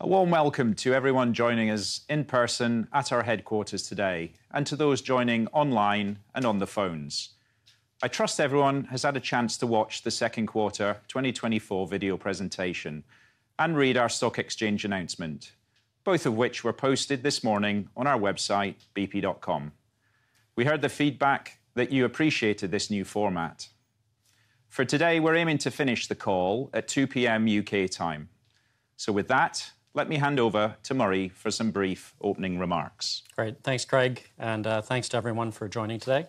A warm welcome to everyone joining us in person at our headquarters today, and to those joining online and on the phones. I trust everyone has had a chance to watch the second quarter 2024 video presentation and read our stock exchange announcement, both of which were posted this morning on our website, bp.com. We heard the feedback that you appreciated this new format. For today, we're aiming to finish the call at 2:00 P.M. U.K. time. With that, let me hand over to Murray for some brief opening remarks. Great. Thanks, Craig, and thanks to everyone for joining today.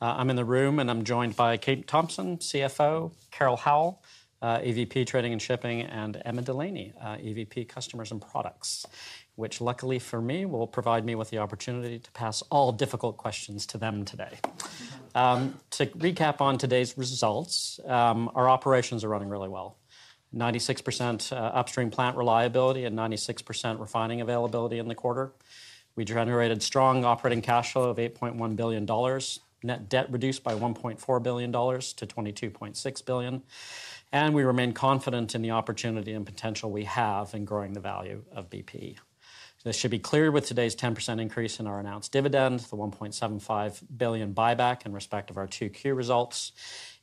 I'm in the room, and I'm joined by Kate Thomson, CFO, Carol Howle, EVP Trading and Shipping, and Emma Delaney, EVP Customers and Products, which, luckily for me, will provide me with the opportunity to pass all difficult questions to them today. To recap on today's results, our operations are running really well: 96% upstream plant reliability and 96% refining availability in the quarter. We generated strong operating cash flow of $8.1 billion, net debt reduced by $1.4 billion to $22.6 billion, and we remain confident in the opportunity and potential we have in growing the value of BP. This should be cleared with today's 10% increase in our announced dividend, the $1.75 billion buyback in respect of our 2Q results,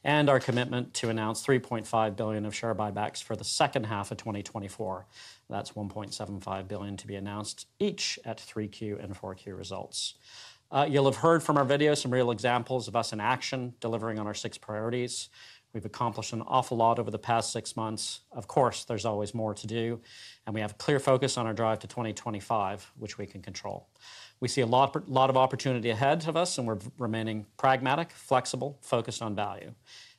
and our commitment to announce $3.5 billion of share buybacks for the second half of 2024. That's $1.75 billion to be announced each at 3Q and 4Q results. You'll have heard from our video some real examples of us in action, delivering on our six priorities. We've accomplished an awful lot over the past six months. Of course, there's always more to do, and we have a clear focus on our drive to 2025, which we can control. We see a lot of opportunity ahead of us, and we're remaining pragmatic, flexible, focused on value.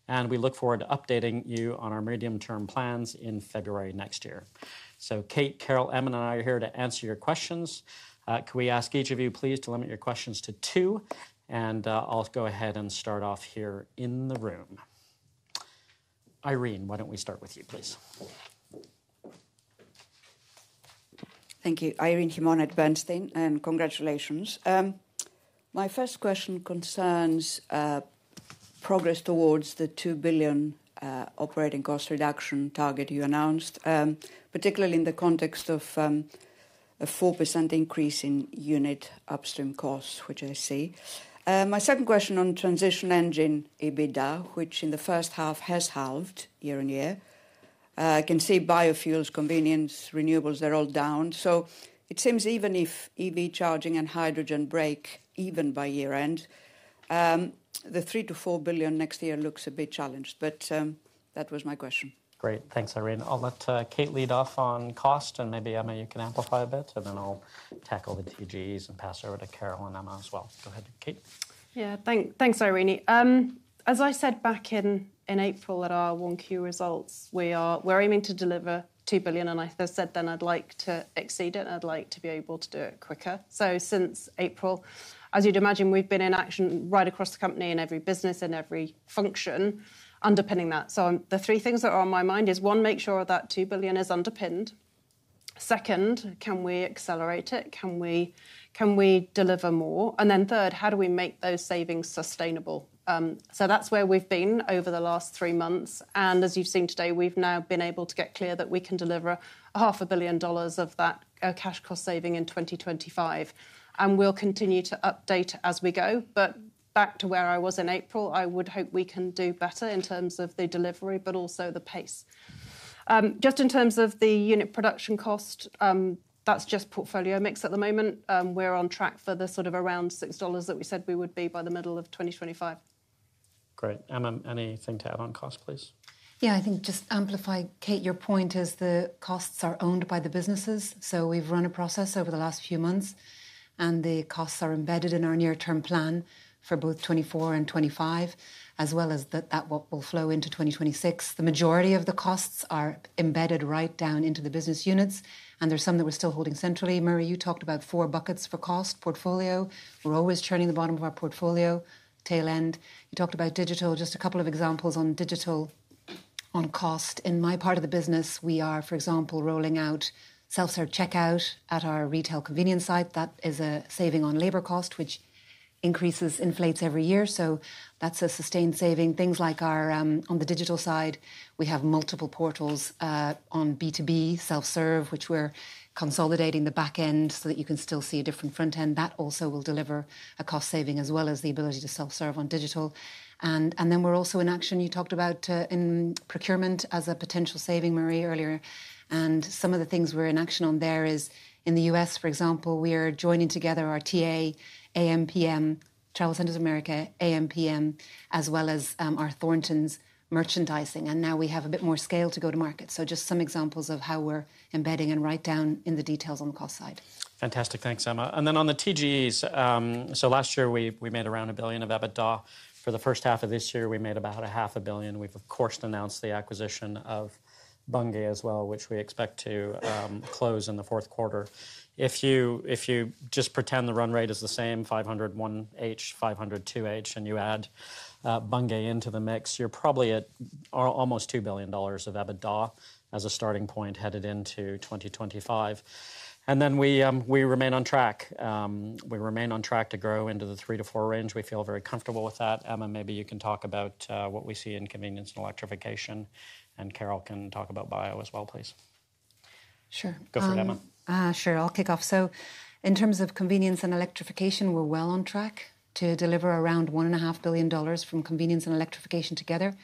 And we look forward to updating you on our medium-term plans in February next year. So Kate, Carol, Emma, and I are here to answer your questions. Could we ask each of you, please, to limit your questions to two? And I'll go ahead and start off here in the room. Irene, why don't we start with you, please? Thank you. Irene Himona at Bernstein, and congratulations. My first question concerns progress towards the $2 billion operating cost reduction target you announced, particularly in the context of a 4% increase in unit upstream costs, which I see. My second question on transition engine EBITDA, which in the first half has halved year on year. I can see biofuels, convenience, renewables, they're all down. So it seems even if EV charging and hydrogen break even by year-end, the $3-$4 billion next year looks a bit challenged. But that was my question. Great. Thanks, Irene. I'll let Kate lead off on cost, and maybe, Emma, you can amplify a bit, and then I'll tackle the TGEs and pass over to Carol and Emma as well. Go ahead, Kate. Yeah, thanks, Irene. As I said back in April at our 1Q results, we're aiming to deliver $2 billion, and as I said, then I'd like to exceed it, and I'd like to be able to do it quicker. So since April, as you'd imagine, we've been in action right across the company in every business and every function underpinning that. So the three things that are on my mind are: one, make sure that $2 billion is underpinned; second, can we accelerate it? Can we deliver more? And then third, how do we make those savings sustainable? So that's where we've been over the last three months. And as you've seen today, we've now been able to get clear that we can deliver $500 million of that cash cost saving in 2025. And we'll continue to update as we go. Back to where I was in April, I would hope we can do better in terms of the delivery, but also the pace. Just in terms of the unit production cost, that's just portfolio mix at the moment. We're on track for the sort of around $6 that we said we would be by the middle of 2025. Great. Emma, anything to add on cost, please? Yeah, I think just to amplify, Kate, your point is the costs are owned by the businesses. So we've run a process over the last few months, and the costs are embedded in our near-term plan for both 2024 and 2025, as well as that will flow into 2026. The majority of the costs are embedded right down into the business units, and there's some that we're still holding centrally. Murray, you talked about four buckets for cost portfolio. We're always churning the bottom of our portfolio tail end. You talked about digital, just a couple of examples on digital on cost. In my part of the business, we are, for example, rolling out self-serve checkout at our retail convenience site. That is a saving on labor cost, which increases, inflates every year. So that's a sustained saving. Things like, on the digital side, we have multiple portals on B2B self-serve, which we're consolidating the back end so that you can still see a different front end. That also will deliver a cost saving as well as the ability to self-serve on digital. And then we're also in action, you talked about in procurement as a potential saving, Murray, earlier. And some of the things we're in action on there is in the U.S., for example, we are joining together our TA ampm, TravelCenters of America, ampm, as well as our Thorntons merchandising. And now we have a bit more scale to go to market. So just some examples of how we're embedding and right down in the details on the cost side. Fantastic. Thanks, Emma. Then on the TGEs, so last year we made around $1 billion of EBITDA. For the first half of this year, we made about $500 million. We've, of course, announced the acquisition of Bunge as well, which we expect to close in the fourth quarter. If you just pretend the run rate is the same, $500 million 1H, $500 million 2H, and you add Bunge into the mix, you're probably at almost $2 billion of EBITDA as a starting point headed into 2025. Then we remain on track. We remain on track to grow into the $3 billion-$4 billion range. We feel very comfortable with that. Emma, maybe you can talk about what we see in convenience and electrification, and Carol can talk about bio as well, please. Sure. Go for it, Emma. Sure. I'll kick off. So in terms of convenience and electrification, we're well on track to deliver around $1.5 billion from convenience and electrification together.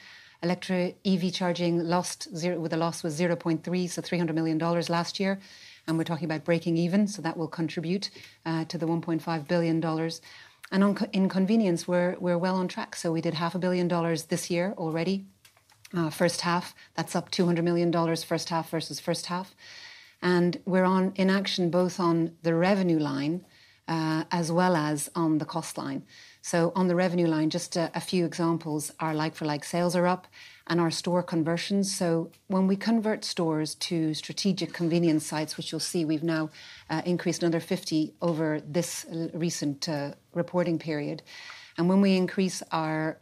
EV charging lost with a loss was $0.3, so $300 million last year. And we're talking about breaking even, so that will contribute to the $1.5 billion. And in convenience, we're well on track. So we did $500 million this year already, first half. That's up $200 million first half versus first half. And we're in action both on the revenue line as well as on the cost line. So on the revenue line, just a few examples, our like-for-like sales are up, and our store conversions. So when we convert stores to strategic convenience sites, which you'll see, we've now increased another 50 over this recent reporting period. And when we increase our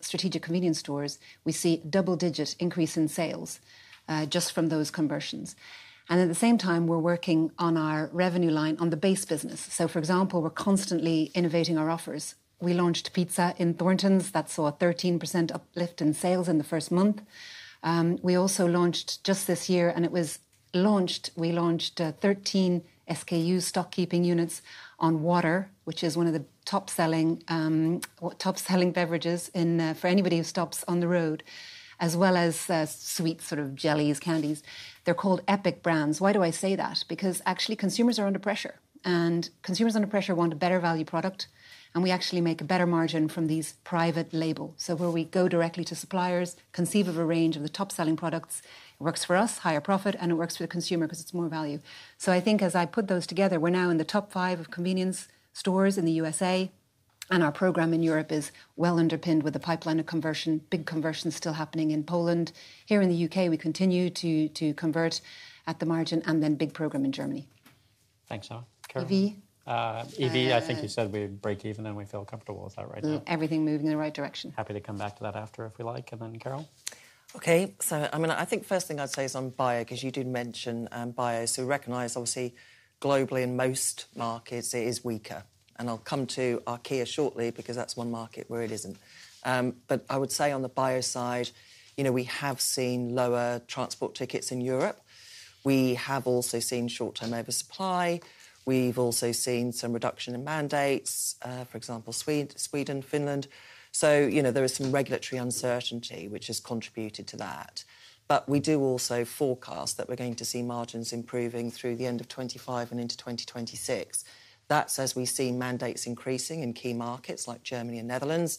strategic convenience stores, we see a double-digit increase in sales just from those conversions. And at the same time, we're working on our revenue line on the base business. So for example, we're constantly innovating our offers. We launched pizza in Thorntons. That saw a 13% uplift in sales in the first month. We also launched just this year, we launched 13 SKU stock keeping units on water, which is one of the top-selling beverages for anybody who stops on the road, as well as sweet sort of jellies, candies. They're called Epic Brands. Why do I say that? Because actually consumers are under pressure, and consumers under pressure want a better value product. And we actually make a better margin from these private labels. Where we go directly to suppliers, conceive of a range of the top-selling products, it works for us, higher profit, and it works for the consumer because it's more value. So I think as I put those together, we're now in the top five of convenience stores in the U.S.A, and our program in Europe is well underpinned with the pipeline of conversion, big conversion still happening in Poland. Here in the U.K., we continue to convert at the margin and then big program in Germany. Thanks, Emma. Carol? EV. EV, I think you said we break even and we feel comfortable with that right now. Everything moving in the right direction. Happy to come back to that after, if we like. And then, Carol? Okay. So I mean, I think first thing I'd say is on bio because you did mention bio. So we recognize obviously globally in most markets it is weaker. And I'll come to Asia shortly because that's one market where it isn't. But I would say on the bio side, you know we have seen lower transport tickets in Europe. We have also seen short-term oversupply. We've also seen some reduction in mandates, for example, Sweden, Finland. So you know there is some regulatory uncertainty, which has contributed to that. But we do also forecast that we're going to see margins improving through the end of 2025 and into 2026. That's as we see mandates increasing in key markets like Germany and Netherlands.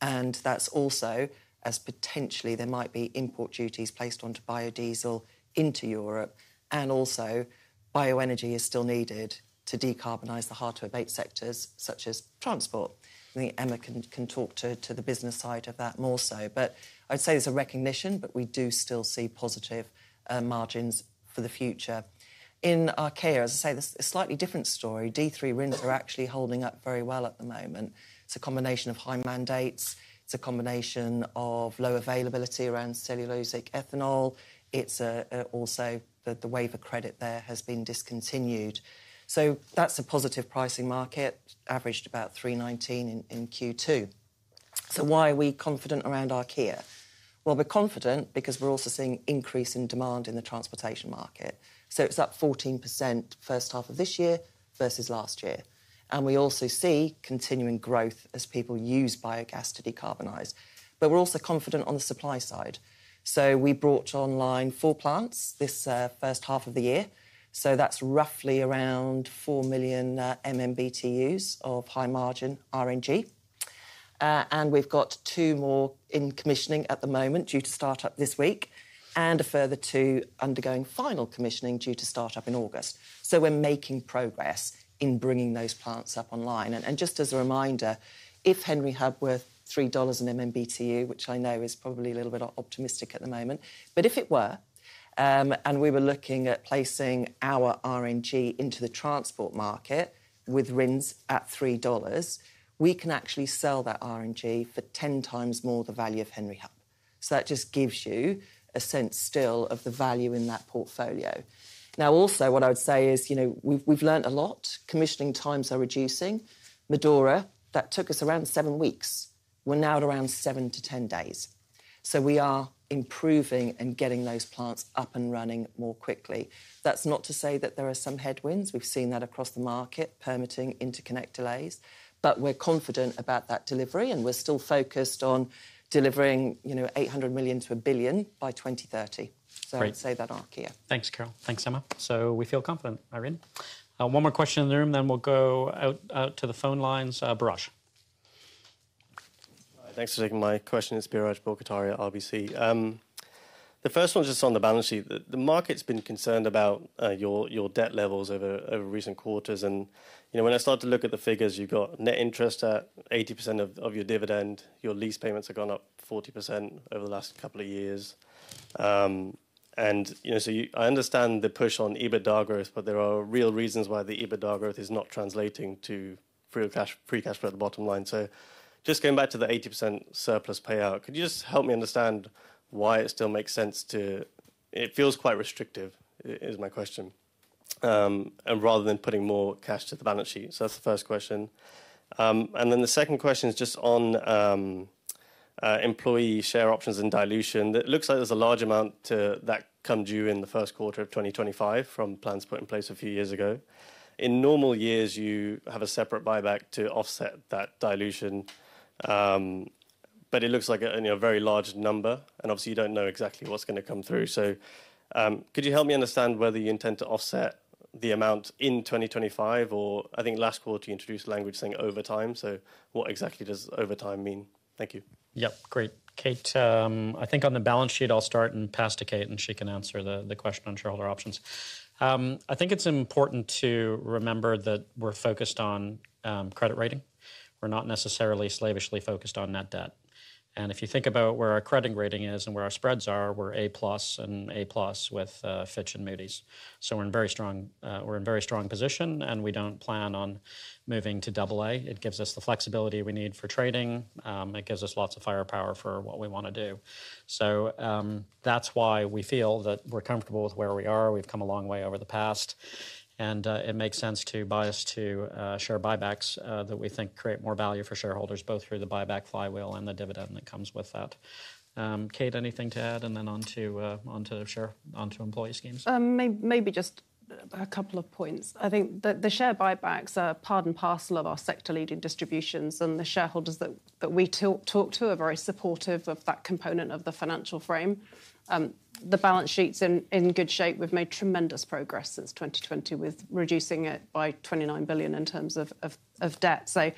And that's also as potentially there might be import duties placed onto biodiesel into Europe. And also bioenergy is still needed to decarbonize the hard-to-abate sectors such as transport. I think Emma can talk to the business side of that more so. But I'd say there's a recognition, but we do still see positive margins for the future. In RINs, as I say, this is a slightly different story. D3 RINs are actually holding up very well at the moment. It's a combination of high mandates. It's a combination of low availability around cellulosic ethanol. It's also the waiver credit there has been discontinued. So that's a positive pricing market, averaged about $3.19 in Q2. So why are we confident around RINs? Well, we're confident because we're also seeing an increase in demand in the transportation market. So it's up 14% first half of this year versus last year. And we also see continuing growth as people use biogas to decarbonize. But we're also confident on the supply side. So we brought online four plants this first half of the year. So that's roughly around 4 million MMBTUs of high-margin RNG. And we've got two more in commissioning at the moment due to startup this week and a further two undergoing final commissioning due to startup in August. So we're making progress in bringing those plants up online. And just as a reminder, if Henry Hub were $3 an MMBTU, which I know is probably a little bit optimistic at the moment, but if it were, and we were looking at placing our RNG into the transport market with RIN at $3, we can actually sell that RNG for 10 times more the value of Henry Hub. So that just gives you a sense still of the value in that portfolio. Now, also what I would say is you know we've learned a lot. Commissioning times are reducing. Medora, that took us around seven weeks. We're now at around 7-10 days. So we are improving and getting those plants up and running more quickly. That's not to say that there are some headwinds. We've seen that across the market, permitting interconnect delays. But we're confident about that delivery, and we're still focused on delivering $800 million-$1 billion by 2030. So I'd say that on Archaea. Thanks, Carol. Thanks, Emma. So we feel confident, Irene. One more question in the room, then we'll go out to the phone lines. Biraj. Thanks for taking my question. It's Biraj Borkhataria, RBC. The first one is just on the balance sheet. The market's been concerned about your debt levels over recent quarters. When I start to look at the figures, you've got net interest at 80% of your dividend. Your lease payments have gone up 40% over the last couple of years. I understand the push on EBITDA growth, but there are real reasons why the EBITDA growth is not translating to free cash flow at the bottom line. Just going back to the 80% surplus payout, could you just help me understand why it still makes sense to, it feels quite restrictive, is my question, rather than putting more cash to the balance sheet? That's the first question. Then the second question is just on employee share options and dilution. It looks like there's a large amount that come due in the first quarter of 2025 from plans put in place a few years ago. In normal years, you have a separate buyback to offset that dilution, but it looks like a very large number, and obviously you don't know exactly what's going to come through. So could you help me understand whether you intend to offset the amount in 2025, or I think last quarter you introduced language saying over time. So what exactly does over time mean? Thank you. Yep, great. Kate, I think on the balance sheet, I'll start and pass to Kate, and she can answer the question on shareholder options. I think it's important to remember that we're focused on credit rating. We're not necessarily slavishly focused on net debt. And if you think about where our credit rating is and where our spreads are, we're A+ and A+ with Fitch and Moody's. So we're in very strong position, and we don't plan on moving to AA. It gives us the flexibility we need for trading. It gives us lots of firepower for what we want to do. So that's why we feel that we're comfortable with where we are. We've come a long way over the past, and it makes sense to buy us to share buybacks that we think create more value for shareholders, both through the buyback flywheel and the dividend that comes with that. Kate, anything to add? And then onto employee schemes. Maybe just a couple of points. I think the share buybacks are part and parcel of our sector-leading distributions, and the shareholders that we talk to are very supportive of that component of the financial frame. The balance sheet's in good shape. We've made tremendous progress since 2020 with reducing it by $29 billion in terms of debt. So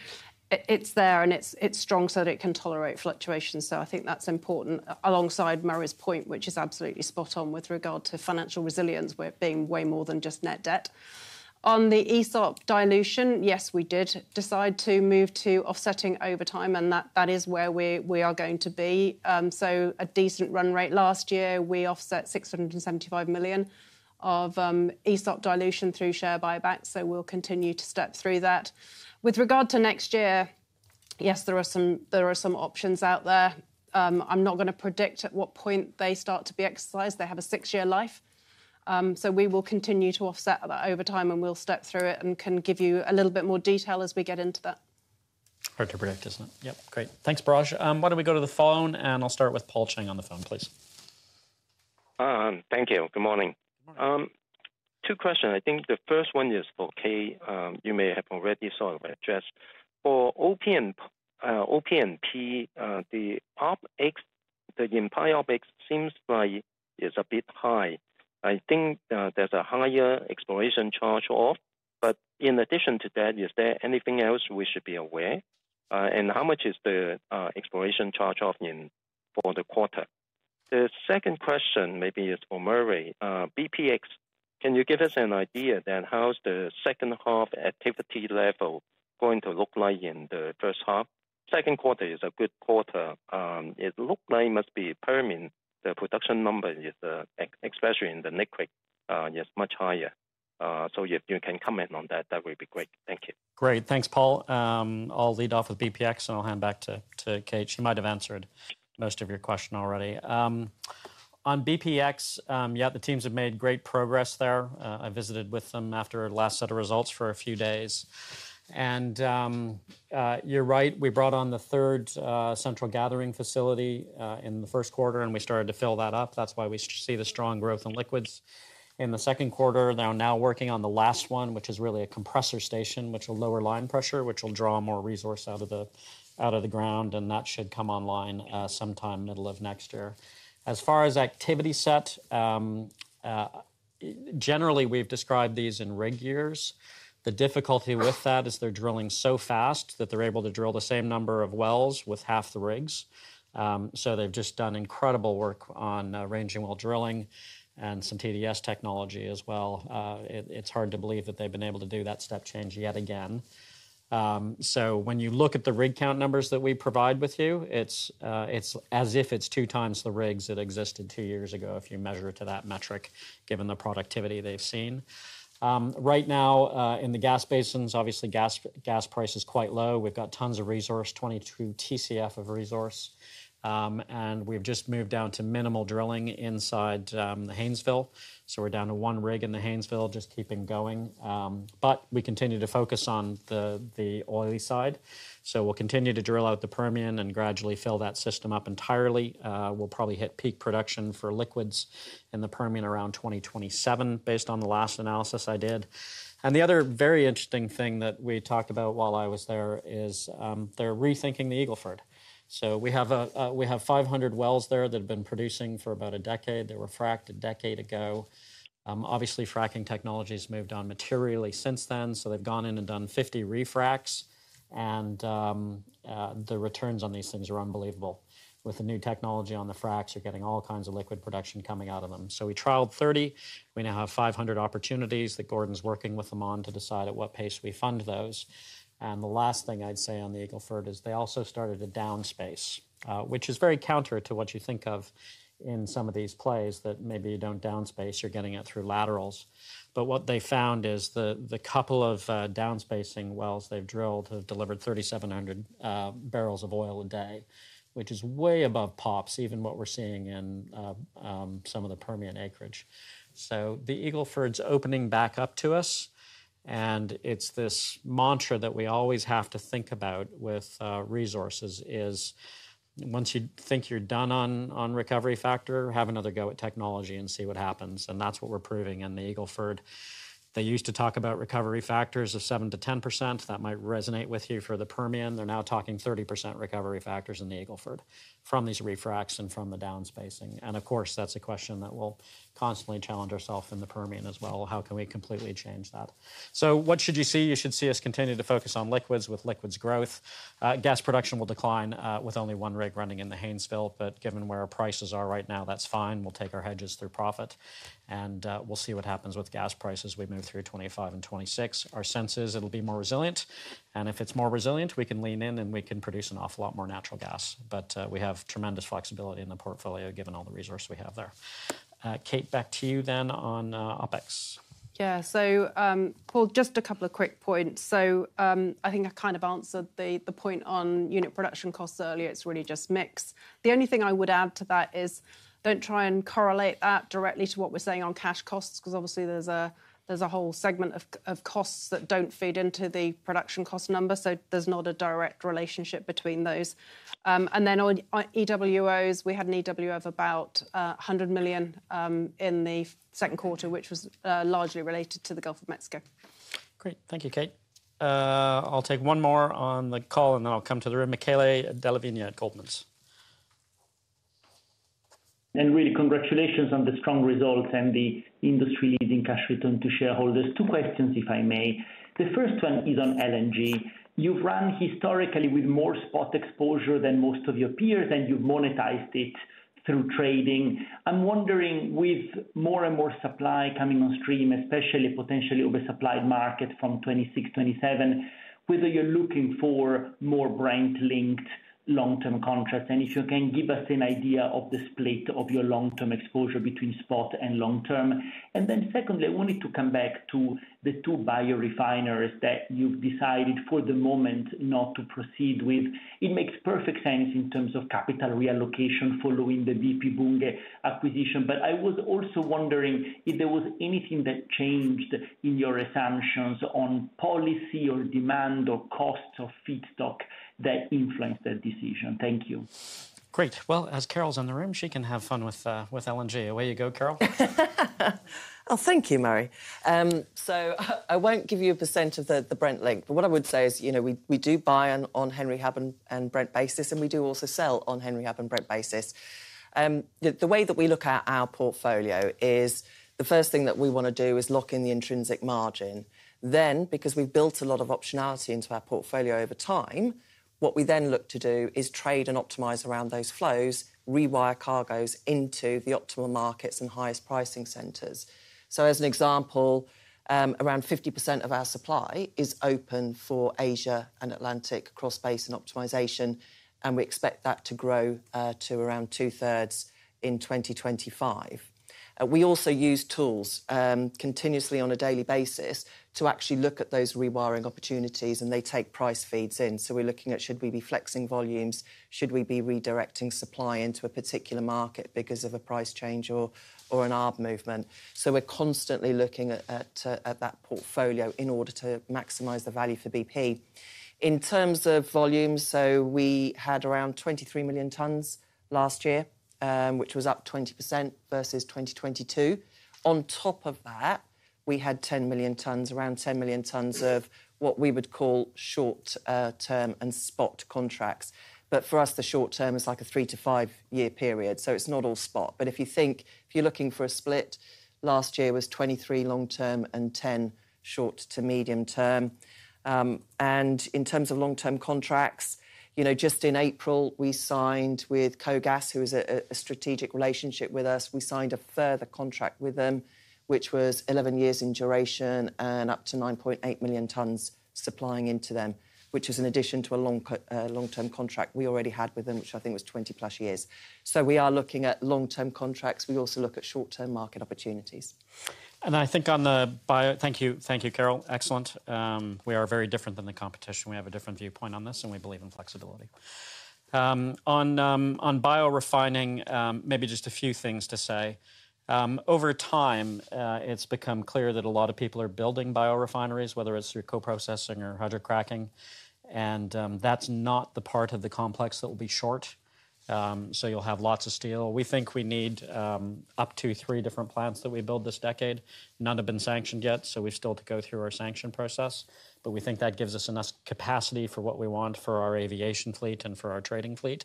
it's there, and it's strong so that it can tolerate fluctuations. So I think that's important alongside Murray's point, which is absolutely spot on with regard to financial resilience, where it being way more than just net debt. On the ESOP dilution, yes, we did decide to move to offsetting over time, and that is where we are going to be. So a decent run rate last year, we offset $675 million of ESOP dilution through share buybacks, so we'll continue to step through that. With regard to next year, yes, there are some options out there. I'm not going to predict at what point they start to be exercised. They have a six-year life. So we will continue to offset that over time, and we'll step through it and can give you a little bit more detail as we get into that. Hard to predict, isn't it? Yep, great. Thanks, Biraj. Why don't we go to the phone, and I'll start with Paul Cheng on the phone, please. Thank you. Good morning. Two questions. I think the first one is for Kate. You may have already sort of addressed. For OP&P, the underlying OpEx seems like it's a bit high. I think there's a higher exploration charge-off, but in addition to that, is there anything else we should be aware? And how much is the exploration charge-off for the quarter? The second question maybe is for Murray. BPX, can you give us an idea then how's the second-half activity level going to look like in the first half? Second quarter is a good quarter. It looks like it must be a Permian. The production number is, especially in the Haynesville, is much higher. So if you can comment on that, that would be great. Thank you. Great. Thanks, Paul. I'll lead off with BPX, and I'll hand back to Kate. She might have answered most of your question already. On BPX, yeah, the teams have made great progress there. I visited with them after the last set of results for a few days. You're right, we brought on the third central gathering facility in the first quarter, and we started to fill that up. That's why we see the strong growth in liquids. In the second quarter, they're now working on the last one, which is really a compressor station, which will lower line pressure, which will draw more resource out of the ground, and that should come online sometime middle of next year. As far as activity set, generally we've described these in rig years. The difficulty with that is they're drilling so fast that they're able to drill the same number of wells with half the rigs. So they've just done incredible work on ranging well drilling and some TDS technology as well. It's hard to believe that they've been able to do that step change yet again. So when you look at the rig count numbers that we provide with you, it's as if it's 2 times the rigs that existed 2 years ago if you measure it to that metric, given the productivity they've seen. Right now in the gas basins, obviously gas price is quite low. We've got tons of resource, 22 TCF of resource. And we've just moved down to minimal drilling inside the Haynesville. So we're down to 1 rig in the Haynesville, just keeping going. But we continue to focus on the oily side. So we'll continue to drill out the Permian and gradually fill that system up entirely. We'll probably hit peak production for liquids in the Permian around 2027, based on the last analysis I did. And the other very interesting thing that we talked about while I was there is they're rethinking the Eagle Ford. So we have 500 wells there that have been producing for about a decade. They were fracked a decade ago. Obviously, fracking technology has moved on materially since then. So they've gone in and done 50 refracts, and the returns on these things are unbelievable. With the new technology on the fracts, you're getting all kinds of liquid production coming out of them. So we trialed 30. We now have 500 opportunities that Gordon's working with them on to decide at what pace we fund those. The last thing I'd say on the Eagle Ford is they also started to downspace, which is very counter to what you think of in some of these plays that maybe you don't downspace, you're getting it through laterals. But what they found is the couple of downspacing wells they've drilled have delivered 3,700 barrels of oil a day, which is way above pops, even what we're seeing in some of the Permian acreage. So the Eagle Ford's opening back up to us, and it's this mantra that we always have to think about with resources is once you think you're done on recovery factor, have another go at technology and see what happens. That's what we're proving in the Eagle Ford. They used to talk about recovery factors of 7%-10%. That might resonate with you for the Permian. They're now talking 30% recovery factors in the Eagle Ford from these refracts and from the downspacing. Of course, that's a question that we'll constantly challenge ourselves in the Permian as well. How can we completely change that? So what should you see? You should see us continue to focus on liquids with liquids growth. Gas production will decline with only one rig running in the Haynesville, but given where our prices are right now, that's fine. We'll take our hedges through profit, and we'll see what happens with gas prices as we move through 2025 and 2026. Our sense is it'll be more resilient, and if it's more resilient, we can lean in and we can produce an awful lot more natural gas. But we have tremendous flexibility in the portfolio given all the resource we have there. Kate, back to you then on OpEx. Yeah, so Paul, just a couple of quick points. So I think I kind of answered the point on unit production costs earlier. It's really just mixed. The only thing I would add to that is don't try and correlate that directly to what we're saying on cash costs, because obviously there's a whole segment of costs that don't feed into the production cost number, so there's not a direct relationship between those. And then on EWOs, we had an EWO of about $100 million in the second quarter, which was largely related to the Gulf of Mexico. Great. Thank you, Kate. I'll take one more on the call, and then I'll come to the room. Michele Della Vigna at Goldman Sachs. Really, congratulations on the strong results and the industry-leading cash return to shareholders. Two questions, if I may. The first one is on LNG. You've run historically with more spot exposure than most of your peers, and you've monetized it through trading. I'm wondering, with more and more supply coming on stream, especially potentially oversupplied market from 2026, 2027, whether you're looking for more brand-linked long-term contracts, and if you can give us an idea of the split of your long-term exposure between spot and long-term. Then secondly, I wanted to come back to the two biorefineries that you've decided for the moment not to proceed with. It makes perfect sense in terms of capital reallocation following the BP Bunge acquisition, but I was also wondering if there was anything that changed in your assumptions on policy or demand or costs of feedstock that influenced that decision. Thank you. Great. Well, as Carol's in the room, she can have fun with LNG. Away you go, Carol. Oh, thank you, Murray. So I won't give you a percent of the Brent link, but what I would say is we do buy on Henry Hub-Brent basis, and we do also sell on Henry Hub-Brent basis. The way that we look at our portfolio is the first thing that we want to do is lock in the intrinsic margin. Then, because we've built a lot of optionality into our portfolio over time, what we then look to do is trade and optimize around those flows, rewire cargoes into the optimal markets and highest pricing centers. So as an example, around 50% of our supply is open for Asia and Atlantic cross-basin optimization, and we expect that to grow to around two-thirds in 2025. We also use tools continuously on a daily basis to actually look at those rewiring opportunities, and they take price feeds in. So we're looking at should we be flexing volumes, should we be redirecting supply into a particular market because of a price change or an ARB movement. So we're constantly looking at that portfolio in order to maximize the value for BP. In terms of volumes, we had around 23 million tons last year, which was up 20% versus 2022. On top of that, we had 10 million tons, around 10 million tons of what we would call short-term and spot contracts. But for us, the short-term is like a 3- to 5-year period, so it's not all spot. But if you think, if you're looking for a split, last year was 23 long-term and 10 short to medium-term. In terms of long-term contracts, just in April, we signed with KOGAS, who is a strategic relationship with us. We signed a further contract with them, which was 11 years in duration and up to 9.8 million tons supplying into them, which was in addition to a long-term contract we already had with them, which I think was 20+ years. So we are looking at long-term contracts. We also look at short-term market opportunities. And I think on the bio—thank you, Carol. Excellent. We are very different than the competition. We have a different viewpoint on this, and we believe in flexibility. On biorefining, maybe just a few things to say. Over time, it's become clear that a lot of people are building biorefineries, whether it's through co-processing or hydrocracking, and that's not the part of the complex that will be short. So you'll have lots of steel. We think we need up to three different plants that we build this decade. None have been sanctioned yet, so we've still to go through our sanction process, but we think that gives us enough capacity for what we want for our aviation fleet and for our trading fleet.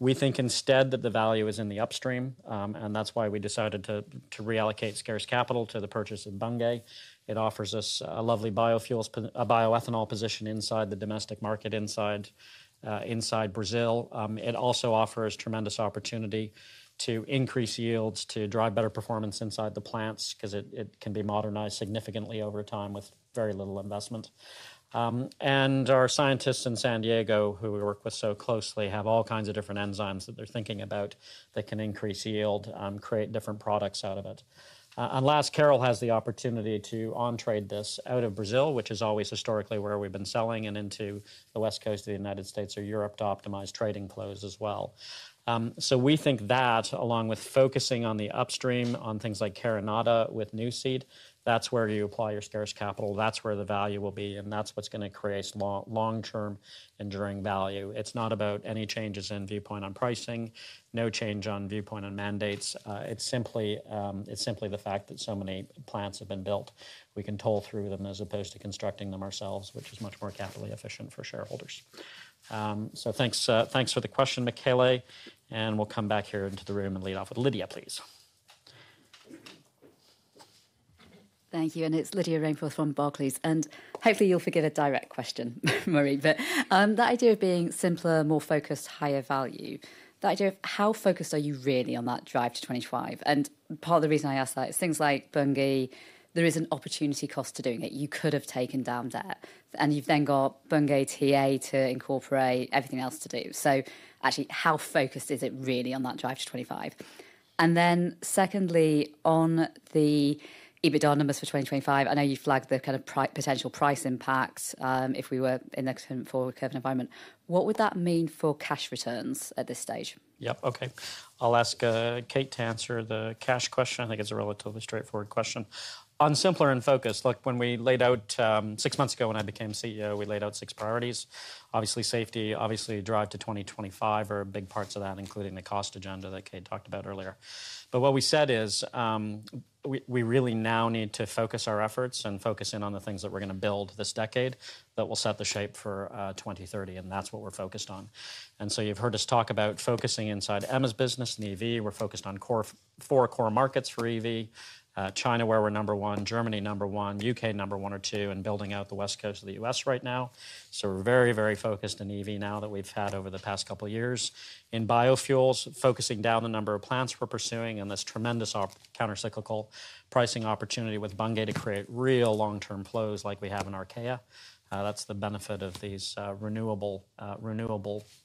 We think instead that the value is in the upstream, and that's why we decided to reallocate scarce capital to the purchase of Bunge. It offers us a lovely bioethanol position inside the domestic market inside Brazil. It also offers tremendous opportunity to increase yields, to drive better performance inside the plants, because it can be modernized significantly over time with very little investment. And our scientists in San Diego, who we work with so closely, have all kinds of different enzymes that they're thinking about that can increase yield, create different products out of it. And last, Carol has the opportunity to on-trade this out of Brazil, which is always historically where we've been selling, and into the West Coast of the United States or Europe to optimize trading flows as well. So we think that, along with focusing on the upstream, on things like Carinata with new seed, that's where you apply your scarce capital. That's where the value will be, and that's what's going to create long-term enduring value. It's not about any changes in viewpoint on pricing. No change on viewpoint on mandates. It's simply the fact that so many plants have been built. We can toll through them as opposed to constructing them ourselves, which is much more capital efficient for shareholders. So thanks for the question, Michele, and we'll come back here into the room and lead off with Lydia, please. Thank you. It's Lydia Rainforth from Barclays. Hopefully you'll forgive a direct question, Murray, but the idea of being simpler, more focused, higher value, the idea of how focused are you really on that drive to 2025? Part of the reason I ask that is things like Bunge, there is an opportunity cost to doing it. You could have taken down debt, and you've then got Bunge TA to incorporate everything else to do. So actually, how focused is it really on that drive to 2025? And then secondly, on the EBITDA numbers for 2025, I know you flagged the kind of potential price impacts if we were in the current forward curve environment. What would that mean for cash returns at this stage? Yep, okay. I'll ask Kate to answer the cash question. I think it's a relatively straightforward question. On simpler and focused, look, when we laid out six months ago when I became CEO, we laid out six priorities. Obviously, safety, obviously drive to 2025 are big parts of that, including the cost agenda that Kate talked about earlier. But what we said is we really now need to focus our efforts and focus in on the things that we're going to build this decade that will set the shape for 2030, and that's what we're focused on. And so you've heard us talk about focusing inside Emma's business in the EV. We're focused on four core markets for EV: China, where we're number one; Germany, number one; U.K., number one or two; and building out the West Coast of the U.S. right now. So we're very, very focused in EV now that we've had over the past couple of years. In biofuels, focusing down the number of plants we're pursuing and this tremendous countercyclical pricing opportunity with Bunge to create real long-term flows like we have in Archaea. That's the benefit of these renewable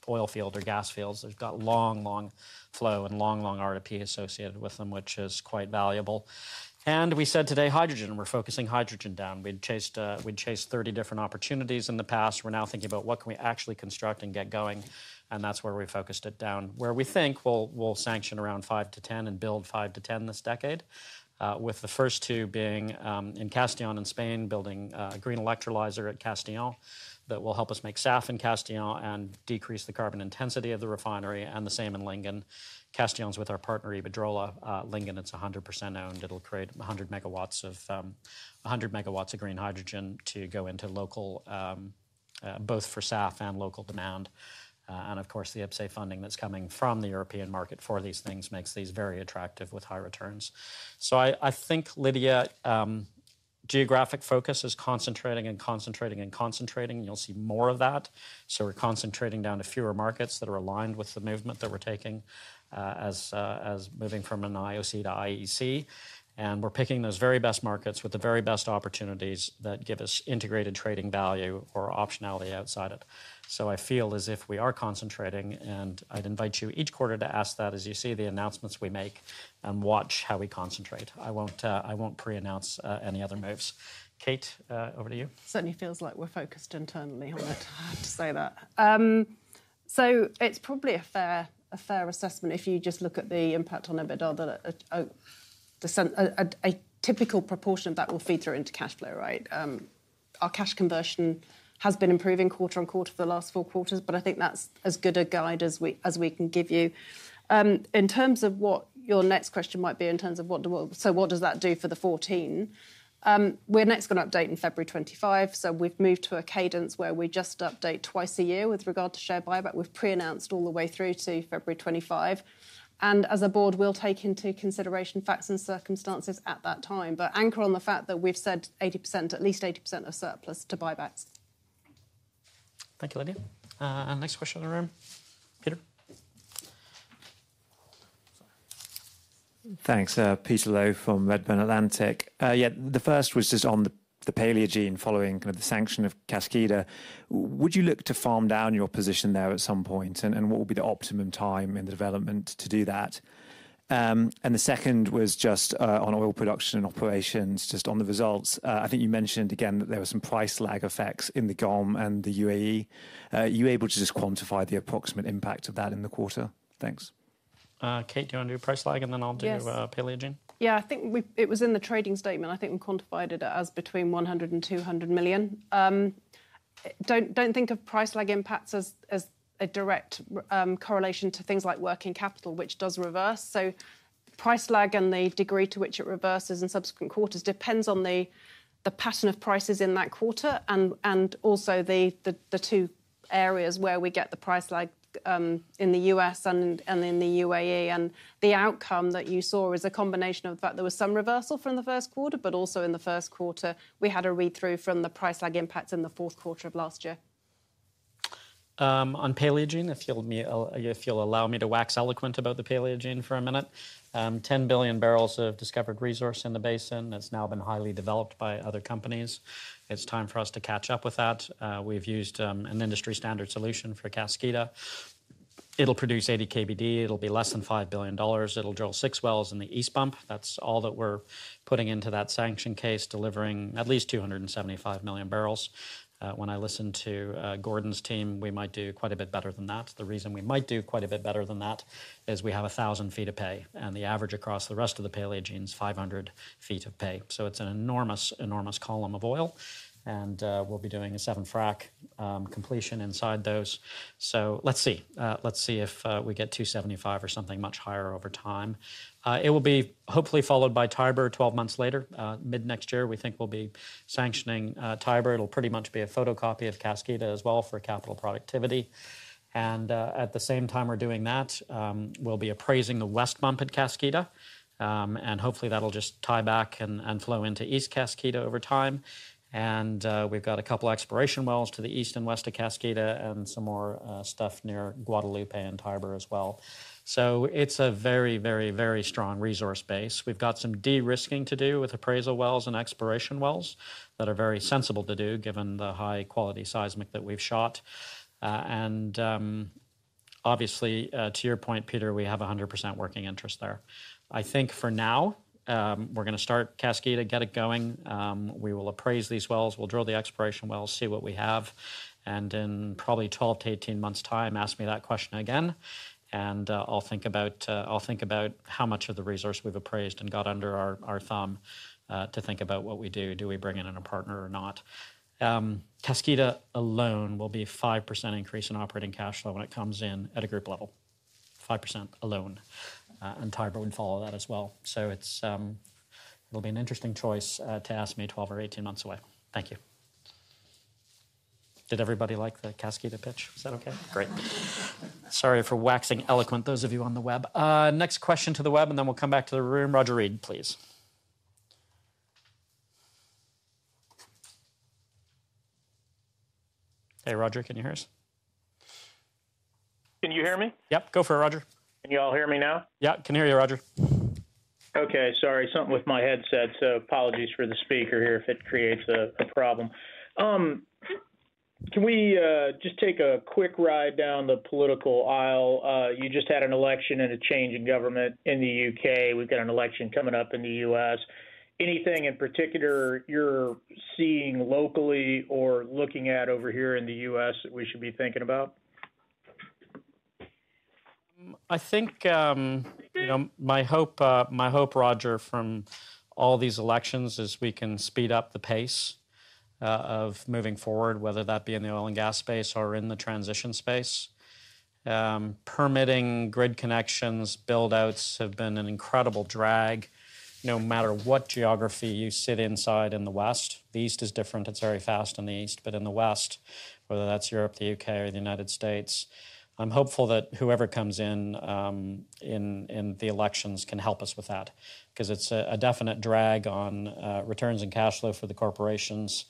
oil fields or gas fields. They've got long, long flow and long, long RTP associated with them, which is quite valuable. And we said today hydrogen, and we're focusing hydrogen down. We'd chased 30 different opportunities in the past. We're now thinking about what we can actually construct and get going, and that's where we focused it down, where we think we'll sanction around five to 10 and build five to 10 this decade, with the first two being in Castellón in Spain, building a green electrolyzer at Castellón that will help us make SAF in Castellón and decrease the carbon intensity of the refinery, and the same in Lingen. Castellón's with our partner Iberdrola. Lingen, it's 100% owned. It'll create 100 MW of 100 MW of green hydrogen to go into local, both for SAF and local demand. And of course, the IPCEI funding that's coming from the European market for these things makes these very attractive with high returns. So I think, Lydia, geographic focus is concentrating and concentrating and concentrating, and you'll see more of that. So we're concentrating down to fewer markets that are aligned with the movement that we're taking as moving from an IOC to IEC, and we're picking those very best markets with the very best opportunities that give us integrated trading value or optionality outside it. So I feel as if we are concentrating, and I'd invite you each quarter to ask that as you see the announcements we make and watch how we concentrate. I won't pre-announce any other moves. Kate, over to you. Certainly feels like we're focused internally on it, to say that. So it's probably a fair assessment if you just look at the impact on EBITDA that a typical proportion of that will feed through into cash flow, right? Our cash conversion has been improving quarter on quarter for the last four quarters, but I think that's as good a guide as we can give you. In terms of what your next question might be in terms of what do we so what does that do for the 2024? We're next going to update in February 2025, so we've moved to a cadence where we just update twice a year with regard to share buyback. We've pre-announced all the way through to February 2025, and as a board, we'll take into consideration facts and circumstances at that time, but anchor on the fact that we've said 80%, at least 80% of surplus to buybacks. Thank you, Lydia. Next question in the room, Peter. Thanks, Peter Low from Redburn Atlantic. Yeah, the first was just on the Paleogene following kind of the sanction of Kaskida. Would you look to farm down your position there at some point, and what would be the optimum time in the development to do that? And the second was just on oil production and operations, just on the results. I think you mentioned again that there were some price lag effects in the GOM and the UAE. Are you able to just quantify the approximate impact of that in the quarter? Thanks. Kate, do you want to do price lag, and then I'll do Paleogene? Yeah, I think it was in the trading statement. I think we quantified it as between $100 million-$200 million. Don't think of price lag impacts as a direct correlation to things like working capital, which does reverse. So price lag and the degree to which it reverses in subsequent quarters depends on the pattern of prices in that quarter and also the two areas where we get the price lag in the U.S. and in the UAE. And the outcome that you saw is a combination of the fact there was some reversal from the first quarter, but also in the first quarter, we had a read-through from the price lag impacts in the fourth quarter of last year. On Paleogene, if you'll allow me to wax eloquent about the Paleogene for a minute, 10 billion barrels of discovered resource in the basin. It's now been highly developed by other companies. It's time for us to catch up with that. We've used an industry standard solution for Kaskida. It'll produce 80 KBD. It'll be less than $5 billion. It'll drill six wells in the east bump. That's all that we're putting into that sanction case, delivering at least 275 million barrels. When I listen to Gordon's team, we might do quite a bit better than that. The reason we might do quite a bit better than that is we have 1,000 feet of pay, and the average across the rest of the Paleogene is 500 feet of pay. So it's an enormous, enormous column of oil, and we'll be doing a seven frac completion inside those. So let's see. Let's see if we get 275 or something much higher over time. It will be hopefully followed by Tiber 12 months later. Mid next year, we think we'll be sanctioning Tiber. It'll pretty much be a photocopy of Kaskida as well for capital productivity. And at the same time we're doing that, we'll be appraising the west bump at Kaskida, and hopefully that'll just tie back and flow into east Kaskida over time. And we've got a couple of exploration wells to the east and west of Kaskida and some more stuff near Guadalupe and Tiber as well. So it's a very, very, very strong resource base. We've got some de-risking to do with appraisal wells and exploration wells that are very sensible to do given the high-quality seismic that we've shot. And obviously, to your point, Peter, we have 100% working interest there. I think for now, we're going to start Kaskida, get it going. We will appraise these wells. We'll drill the exploration wells, see what we have, and in probably 12-18 months' time, ask me that question again, and I'll think about how much of the resource we've appraised and got under our thumb to think about what we do. Do we bring in a partner or not? Kaskida alone will be a 5% increase in operating cash flow when it comes in at a group level. 5% alone. And Tiber would follow that as well. So it'll be an interesting choice to ask me 12 or 18 months away. Thank you. Did everybody like the Kaskida pitch? Was that okay? Great. Sorry for waxing eloquent, those of you on the web. Next question to the web, and then we'll come back to the room. Roger Read, please. Hey, Roger, can you hear us? Can you hear me? Yep. Go for it, Roger. Can you all hear me now? Yep. Can hear you, Roger. Okay. Sorry, something with my headset, so apologies for the speaker here if it creates a problem. Can we just take a quick ride down the political aisle? You just had an election and a change in government in the U.K. We've got an election coming up in the U.S. Anything in particular you're seeing locally or looking at over here in the U.S. that we should be thinking about? I think my hope, Roger, from all these elections is we can speed up the pace of moving forward, whether that be in the oil and gas space or in the transition space. Permitting, grid connections, buildouts have been an incredible drag. No matter what geography you sit inside in the west, the east is different. It's very fast in the east, but in the west, whether that's Europe, the U.K., or the United States, I'm hopeful that whoever comes in in the elections can help us with that, because it's a definite drag on returns and cash flow for the corporations,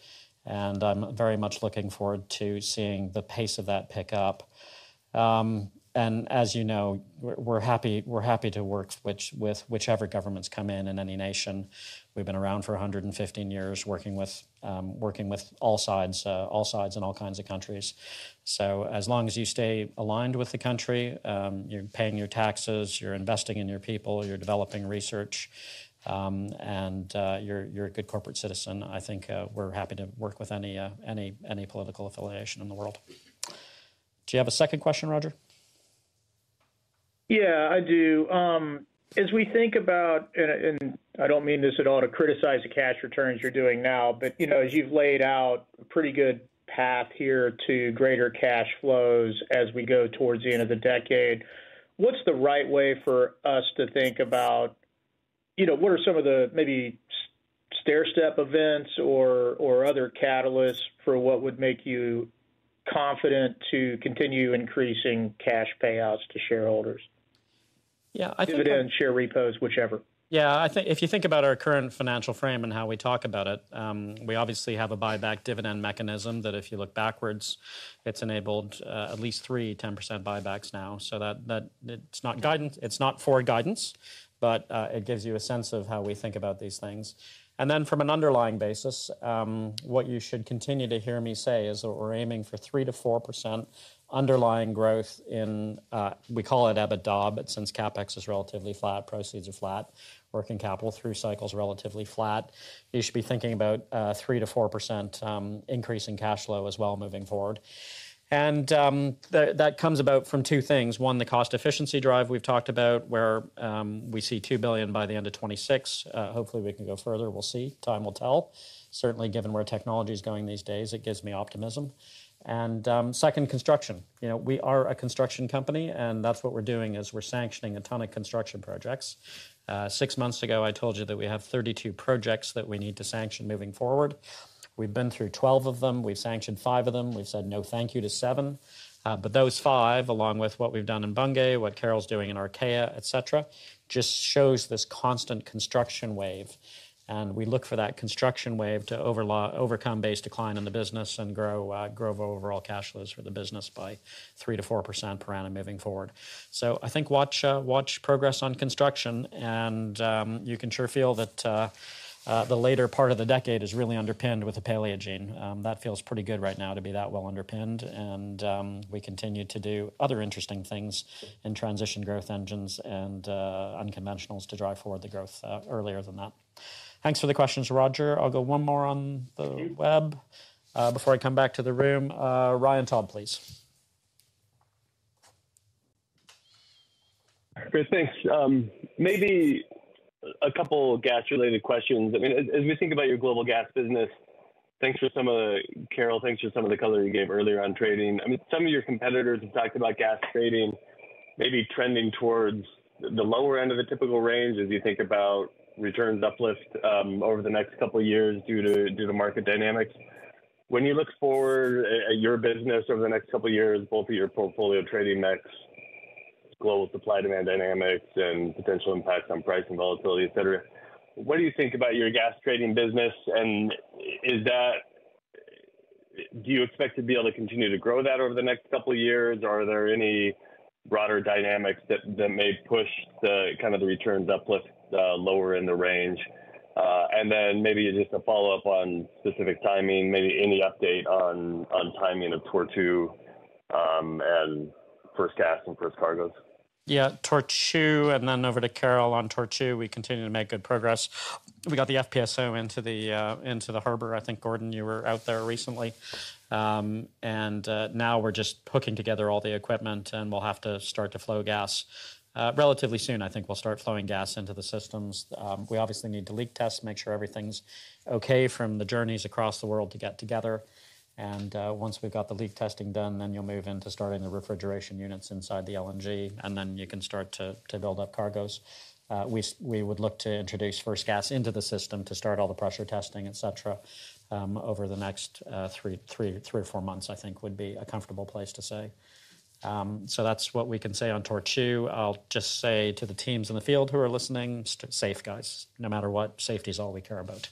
and I'm very much looking forward to seeing the pace of that pick up. And as you know, we're happy to work with whichever governments come in in any nation. We've been around for 115 years working with all sides and all kinds of countries. As long as you stay aligned with the country, you're paying your taxes, you're investing in your people, you're developing research, and you're a good corporate citizen, I think we're happy to work with any political affiliation in the world. Do you have a second question, Roger? Yeah, I do. As we think about, and I don't mean this at all to criticize the cash returns you're doing now, but as you've laid out a pretty good path here to greater cash flows as we go towards the end of the decade, what's the right way for us to think about, what are some of the maybe stairstep events or other catalysts for what would make you confident to continue increasing cash payouts to shareholders? Yeah, I think. Dividends, share repos, whichever. Yeah, I think if you think about our current financial frame and how we talk about it, we obviously have a buyback dividend mechanism that if you look backwards, it's enabled at least three 10% buybacks now. So it's not guidance, it's not for guidance, but it gives you a sense of how we think about these things. And then from an underlying basis, what you should continue to hear me say is that we're aiming for 3%-4% underlying growth in, we call it EBITDA, but since CapEx is relatively flat, proceeds are flat, working capital through cycles relatively flat, you should be thinking about 3%-4% increase in cash flow as well moving forward. And that comes about from two things. One, the cost efficiency drive we've talked about, where we see $2 billion by the end of 2026. Hopefully, we can go further. We'll see. Time will tell. Certainly, given where technology is going these days, it gives me optimism. And second, construction. We are a construction company, and that's what we're doing is we're sanctioning a ton of construction projects. Six months ago, I told you that we have 32 projects that we need to sanction moving forward. We've been through 12 of them. We've sanctioned five of them. We've said no thank you to seven. But those five, along with what we've done in Bunge, what Carol's doing in Archaea, et cetera, et cetera, just shows this constant construction wave. And we look for that construction wave to overcome base decline in the business and grow overall cash flows for the business by 3%-4% per annum moving forward. So I think watch progress on construction, and you can sure feel that the later part of the decade is really underpinned with the Paleogene. That feels pretty good right now to be that well underpinned, and we continue to do other interesting things in transition growth engines and unconventionals to drive forward the growth earlier than that. Thanks for the questions, Roger. I'll go one more on the web before I come back to the room. Ryan Todd, please. Great. Thanks. Maybe a couple of gas-related questions. I mean, as we think about your global gas business, thanks for some of the, Carol, thanks for some of the color you gave earlier on trading. I mean, some of your competitors have talked about gas trading maybe trending towards the lower end of the typical range as you think about returns uplift over the next couple of years due to market dynamics. When you look forward at your business over the next couple of years, both of your portfolio trading mix, global supply-demand dynamics, and potential impacts on price and volatility, et cetera, what do you think about your gas trading business? And do you expect to be able to continue to grow that over the next couple of years, or are there any broader dynamics that may push kind of the returns uplift lower in the range? Then maybe just a follow-up on specific timing, maybe any update on timing of Tortue and First Gas and First Cargoes? Yeah, Tortue, and then over to Carol on Tortue. We continue to make good progress. We got the FPSO into the harbor. I think, Gordon, you were out there recently. And now we're just hooking together all the equipment, and we'll have to start to flow gas. Relatively soon, I think we'll start flowing gas into the systems. We obviously need to leak test, make sure everything's okay from the journeys across the world to get together. And once we've got the leak testing done, then you'll move into starting the refrigeration units inside the LNG, and then you can start to build up cargoes. We would look to introduce First Gas into the system to start all the pressure testing, et cetera, over the next three or four months, I think would be a comfortable place to say. So that's what we can say on Tortue. I'll just say to the teams in the field who are listening, safe, guys. No matter what, safety is all we care about.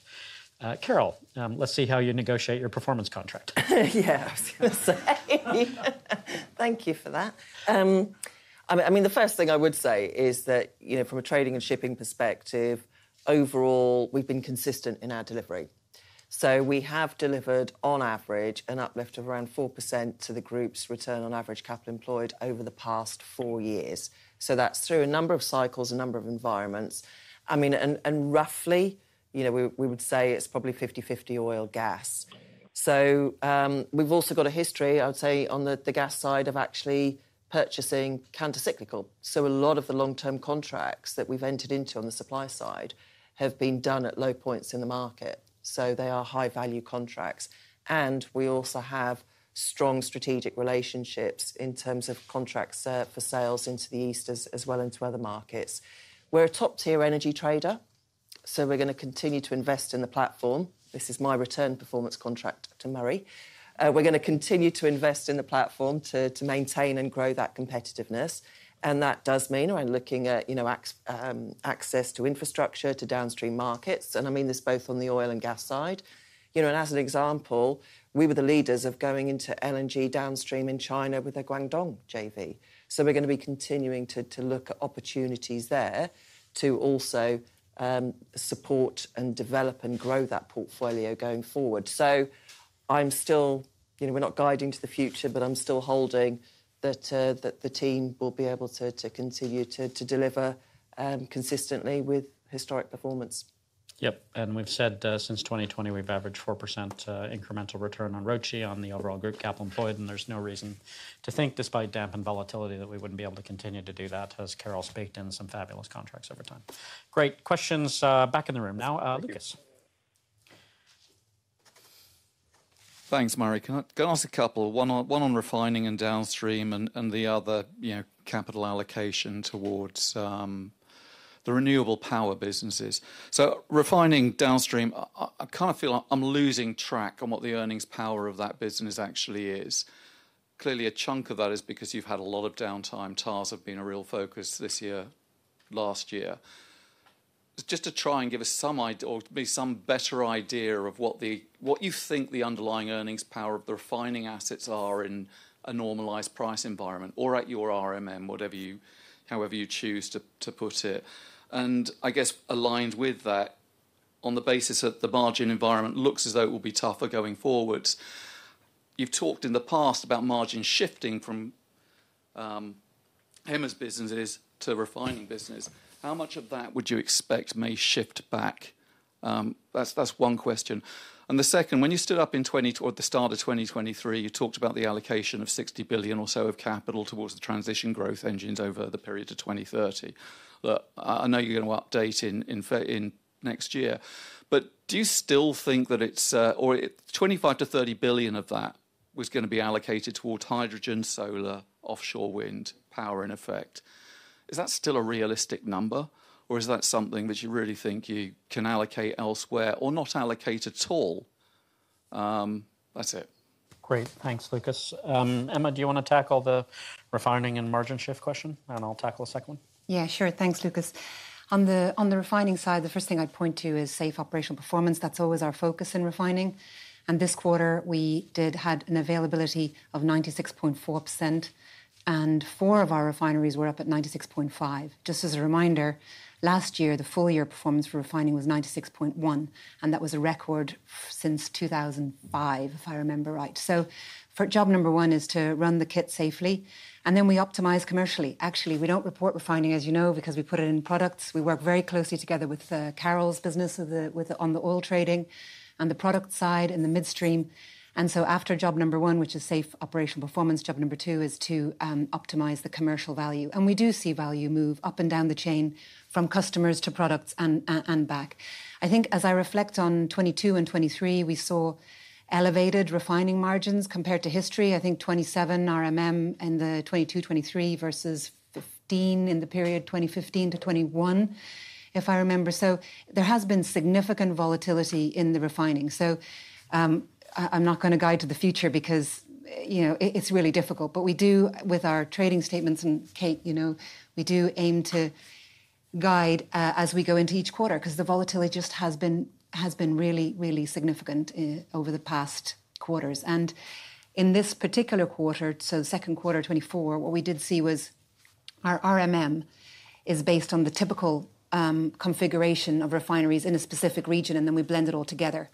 Carol, let's see how you negotiate your performance contract. Yeah, I was going to say, thank you for that. I mean, the first thing I would say is that from a trading and shipping perspective, overall, we've been consistent in our delivery. So we have delivered, on average, an uplift of around 4% to the group's return on average capital employed over the past four years. So that's through a number of cycles, a number of environments. I mean, and roughly, we would say it's probably 50/50 oil/gas. So we've also got a history, I would say, on the gas side of actually purchasing countercyclical. So a lot of the long-term contracts that we've entered into on the supply side have been done at low points in the market. So they are high-value contracts. And we also have strong strategic relationships in terms of contract for sales into the east as well as to other markets. We're a top-tier energy trader, so we're going to continue to invest in the platform. This is my return performance contract to Murray. We're going to continue to invest in the platform to maintain and grow that competitiveness. And that does mean we're looking at access to infrastructure, to downstream markets. And I mean this both on the oil and gas side. And as an example, we were the leaders of going into LNG downstream in China with a Guangdong JV. So we're going to be continuing to look at opportunities there to also support and develop and grow that portfolio going forward. So I'm still, we're not guiding to the future, but I'm still holding that the team will be able to continue to deliver consistently with historic performance. Yep. And we've said since 2020, we've averaged 4% incremental return on ROTI on the overall group capital employed, and there's no reason to think, despite damp and volatility, that we wouldn't be able to continue to do that, as Carol spoke, and some fabulous contracts over time. Great questions back in the room. Now, Lucas. Thanks, Murray. Can I ask a couple? One on refining and downstream and the other capital allocation towards the renewable power businesses. So refining downstream, I kind of feel I'm losing track on what the earnings power of that business actually is. Clearly, a chunk of that is because you've had a lot of downtime. TARs have been a real focus this year, last year. Just to try and give us some idea or maybe some better idea of what you think the underlying earnings power of the refining assets are in a normalized price environment or at your RMM, however you choose to put it. And I guess aligned with that, on the basis that the margin environment looks as though it will be tougher going forwards, you've talked in the past about margin shifting from HEMAS businesses to refining businesses. How much of that would you expect may shift back? That's one question. And the second, when you stood up at the start of 2023, you talked about the allocation of $60 billion or so of capital towards the transition growth engines over the period to 2030. I know you're going to update in next year. But do you still think that it's $25 billion-$30 billion of that was going to be allocated towards hydrogen, solar, offshore wind power in effect? Is that still a realistic number, or is that something that you really think you can allocate elsewhere or not allocate at all? That's it. Great. Thanks, Lucas. Emma, do you want to tackle the refining and margin shift question? I'll tackle a second one. Yeah, sure. Thanks, Lucas. On the refining side, the first thing I'd point to is safe operational performance. That's always our focus in refining. And this quarter, we had an availability of 96.4%, and four of our refineries were up at 96.5%. Just as a reminder, last year, the full year performance for refining was 96.1%, and that was a record since 2005, if I remember right. So job number one is to run the kit safely, and then we optimize commercially. Actually, we don't report refining, as you know, because we put it in products. We work very closely together with Carol's business on the oil trading and the product side in the midstream. And so after job number one, which is safe operational performance, job number two is to optimize the commercial value. And we do see value move up and down the chain from customers to products and back. I think as I reflect on 2022 and 2023, we saw elevated refining margins compared to history. I think $27 RMM in the 2022, 2023 versus $15 in the period, 2015 to 2021, if I remember. So there has been significant volatility in the refining. So I'm not going to guide to the future because it's really difficult. But we do, with our trading statements, and Kate, we do aim to guide as we go into each quarter because the volatility just has been really, really significant over the past quarters. And in this particular quarter, so second quarter 2024, what we did see was our RMM is based on the typical configuration of refineries in a specific region, and then we blend it all together.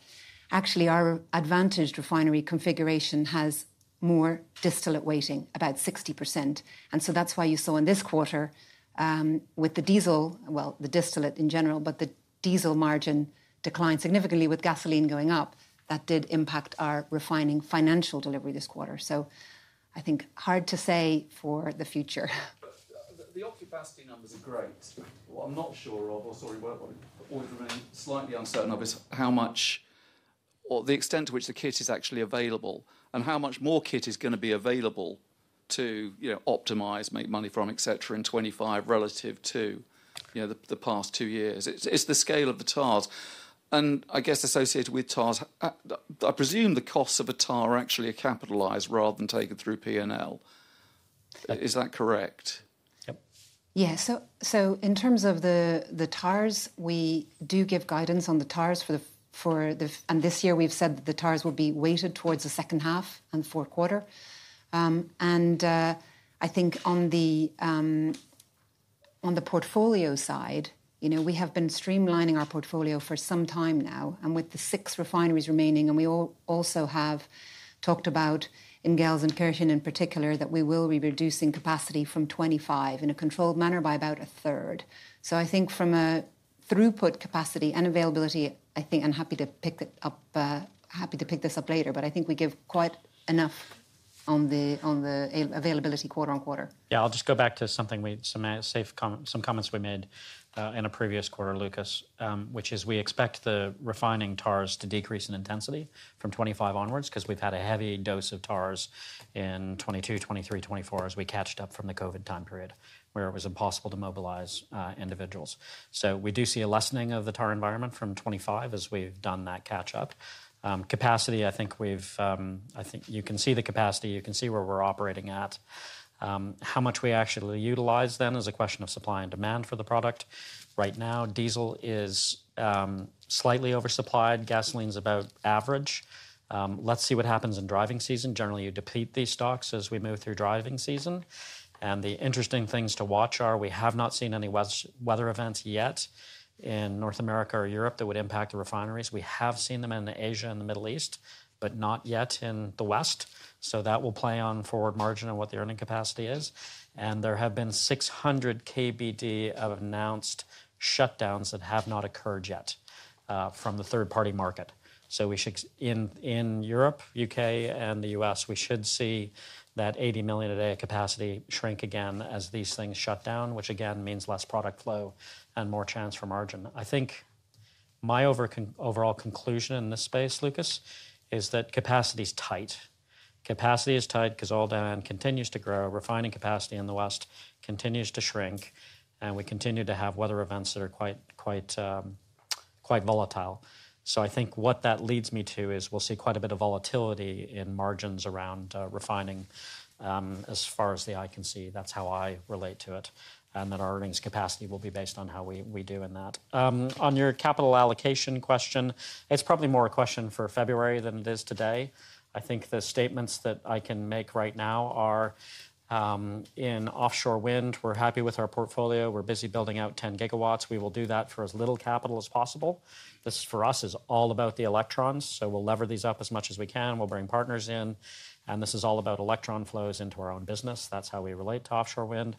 Actually, our advantaged refinery configuration has more distillate weighting, about 60%. And so that's why you saw in this quarter with the diesel, well, the distillate in general, but the diesel margin declined significantly with gasoline going up. That did impact our refining financial delivery this quarter. So I think hard to say for the future. The occupancy numbers are great. What I'm not sure of, or sorry, what I'm slightly uncertain of is how much or the extent to which the kit is actually available and how much more kit is going to be available to optimize, make money from, et cetera, in 2025 relative to the past two years. It's the scale of the TARs. And I guess associated with TARs, I presume the costs of a TAR are actually capitalized rather than taken through P&L. Is that correct? Yep. Yeah. So in terms of the TARs, we do give guidance on the TARs for the. And this year, we've said that the TARs will be weighted towards the second half and fourth quarter. And I think on the portfolio side, we have been streamlining our portfolio for some time now. And with the six refineries remaining, and we also have talked about in Gelsenkirchen and Kwinana in particular that we will be reducing capacity from 2025 in a controlled manner by about a third. So I think from a throughput capacity and availability, I think I'm happy to pick this up later, but I think we give quite enough on the availability quarter-on-quarter. Yeah, I'll just go back to something we made some comments we made in a previous quarter, Lucas, which is we expect the refining TARs to decrease in intensity from 2025 onwards because we've had a heavy dose of TARs in 2022, 2023, 2024 as we caught up from the COVID time period where it was impossible to mobilize individuals. So we do see a lessening of the TAR environment from 2025 as we've done that catch-up. Capacity, I think you can see the capacity. You can see where we're operating at. How much we actually utilize then is a question of supply and demand for the product. Right now, diesel is slightly oversupplied. Gasoline's about average. Let's see what happens in driving season. Generally, you deplete these stocks as we move through driving season. The interesting things to watch are, we have not seen any weather events yet in North America or Europe that would impact the refineries. We have seen them in Asia and the Middle East, but not yet in the West. So that will play on forward margin and what the earning capacity is. There have been 600 KBD of announced shutdowns that have not occurred yet from the third-party market. So in Europe, U.K., and the U.S., we should see that 80 million a day of capacity shrink again as these things shut down, which again means less product flow and more transfer margin. I think my overall conclusion in this space, Lucas, is that capacity's tight. Capacity is tight because all demand continues to grow. Refining capacity in the West continues to shrink, and we continue to have weather events that are quite volatile. So I think what that leads me to is we'll see quite a bit of volatility in margins around refining as far as the eye can see. That's how I relate to it. And then our earnings capacity will be based on how we do in that. On your capital allocation question, it's probably more a question for February than it is today. I think the statements that I can make right now are, in offshore wind, we're happy with our portfolio. We're busy building out 10 gigawatts. We will do that for as little capital as possible. This for us is all about the electrons. So we'll lever these up as much as we can. We'll bring partners in. And this is all about electron flows into our own business. That's how we relate to offshore wind.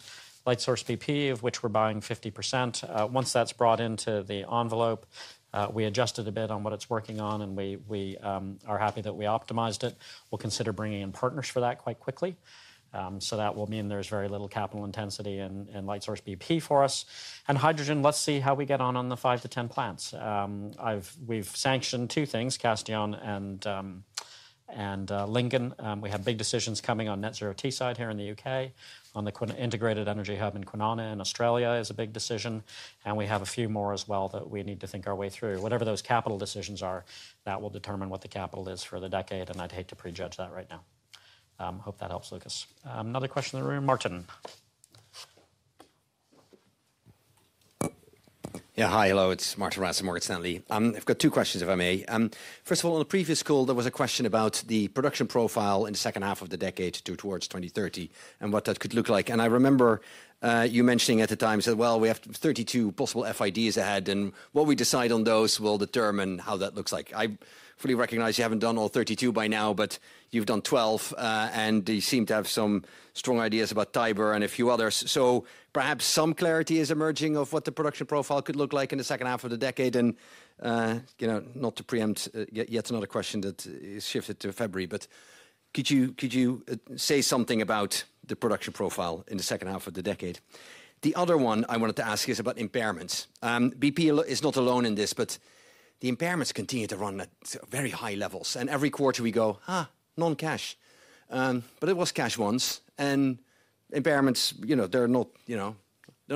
Lightsource bp, of which we're buying 50%. Once that's brought into the envelope, we adjusted a bit on what it's working on, and we are happy that we optimized it. We'll consider bringing in partners for that quite quickly. So that will mean there's very little capital intensity in Lightsource bp for us. And hydrogen, let's see how we get on on the 5-10 plants. We've sanctioned two things, Castellón and Lingen. We have big decisions coming on Net Zero Teesside here in the U.K.. On the Integrated Energy Hub in Kwinana in Australia is a big decision. And we have a few more as well that we need to think our way through. Whatever those capital decisions are, that will determine what the capital is for the decade. And I'd hate to prejudge that right now. Hope that helps, Lucas. Another question in the room? Martin. Yeah, hi, hello. It's Martijn Rats, Morgan Stanley. I've got two questions, if I may. First of all, on the previous call, there was a question about the production profile in the second half of the decade towards 2030 and what that could look like. I remember you mentioning at the time, you said, well, we have 32 possible FIDs ahead, and what we decide on those will determine how that looks like. I fully recognize you haven't done all 32 by now, but you've done 12, and you seem to have some strong ideas about Tiber and a few others. So perhaps some clarity is emerging of what the production profile could look like in the second half of the decade. Not to preempt yet another question that is shifted to February. But could you say something about the production profile in the second half of the decade? The other one I wanted to ask you is about impairments. BP is not alone in this, but the impairments continue to run at very high levels. And every quarter we go, ha, non-cash. But it was cash once. And impairments, they're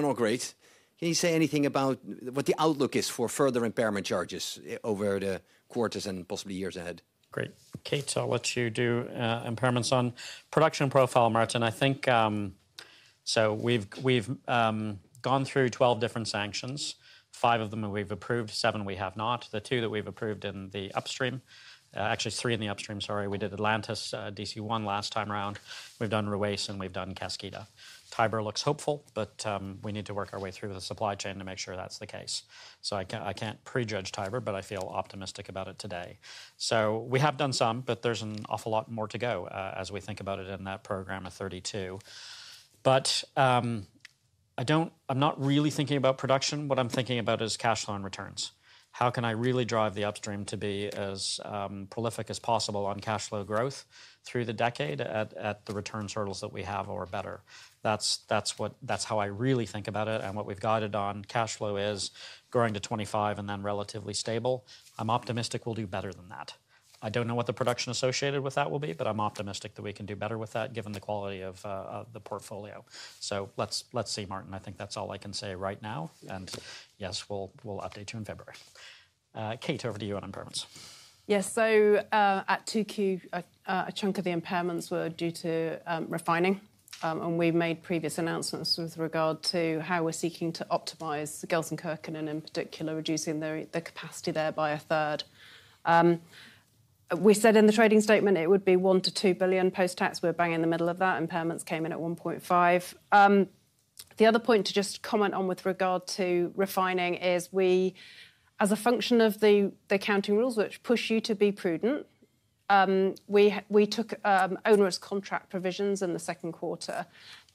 not great. Can you say anything about what the outlook is for further impairment charges over the quarters and possibly years ahead? Great. Kate, I'll let you do impairments on production profile, Martin. I think so we've gone through 12 different sanctions. Five of them we've approved, seven we have not. The two that we've approved in the upstream, actually three in the upstream, sorry, we did Atlantis, DC-1 last time around. We've done Ruwais, and we've done Kaskida. Tiber looks hopeful, but we need to work our way through the supply chain to make sure that's the case. So I can't prejudge Tiber, but I feel optimistic about it today. So we have done some, but there's an awful lot more to go as we think about it in that program of 32. But I'm not really thinking about production. What I'm thinking about is cash flow returns. How can I really drive the upstream to be as prolific as possible on cash flow growth through the decade at the returns hurdles that we have or better? That's how I really think about it. What we've guided on cash flow is growing to $25 and then relatively stable. I'm optimistic we'll do better than that. I don't know what the production associated with that will be, but I'm optimistic that we can do better with that given the quality of the portfolio. So let's see, Martin. I think that's all I can say right now. Yes, we'll update you in February. Kate, over to you on impairments. Yes. So at 2Q, a chunk of the impairments were due to refining. And we've made previous announcements with regard to how we're seeking to optimize Gelsenkirchen and in particular reducing the capacity there by a third. We said in the trading statement it would be $1-$2 billion post-tax. We're banging in the middle of that. Impairments came in at $1.5 billion. The other point to just comment on with regard to refining is we, as a function of the accounting rules, which push you to be prudent, we took onerous contract provisions in the second quarter.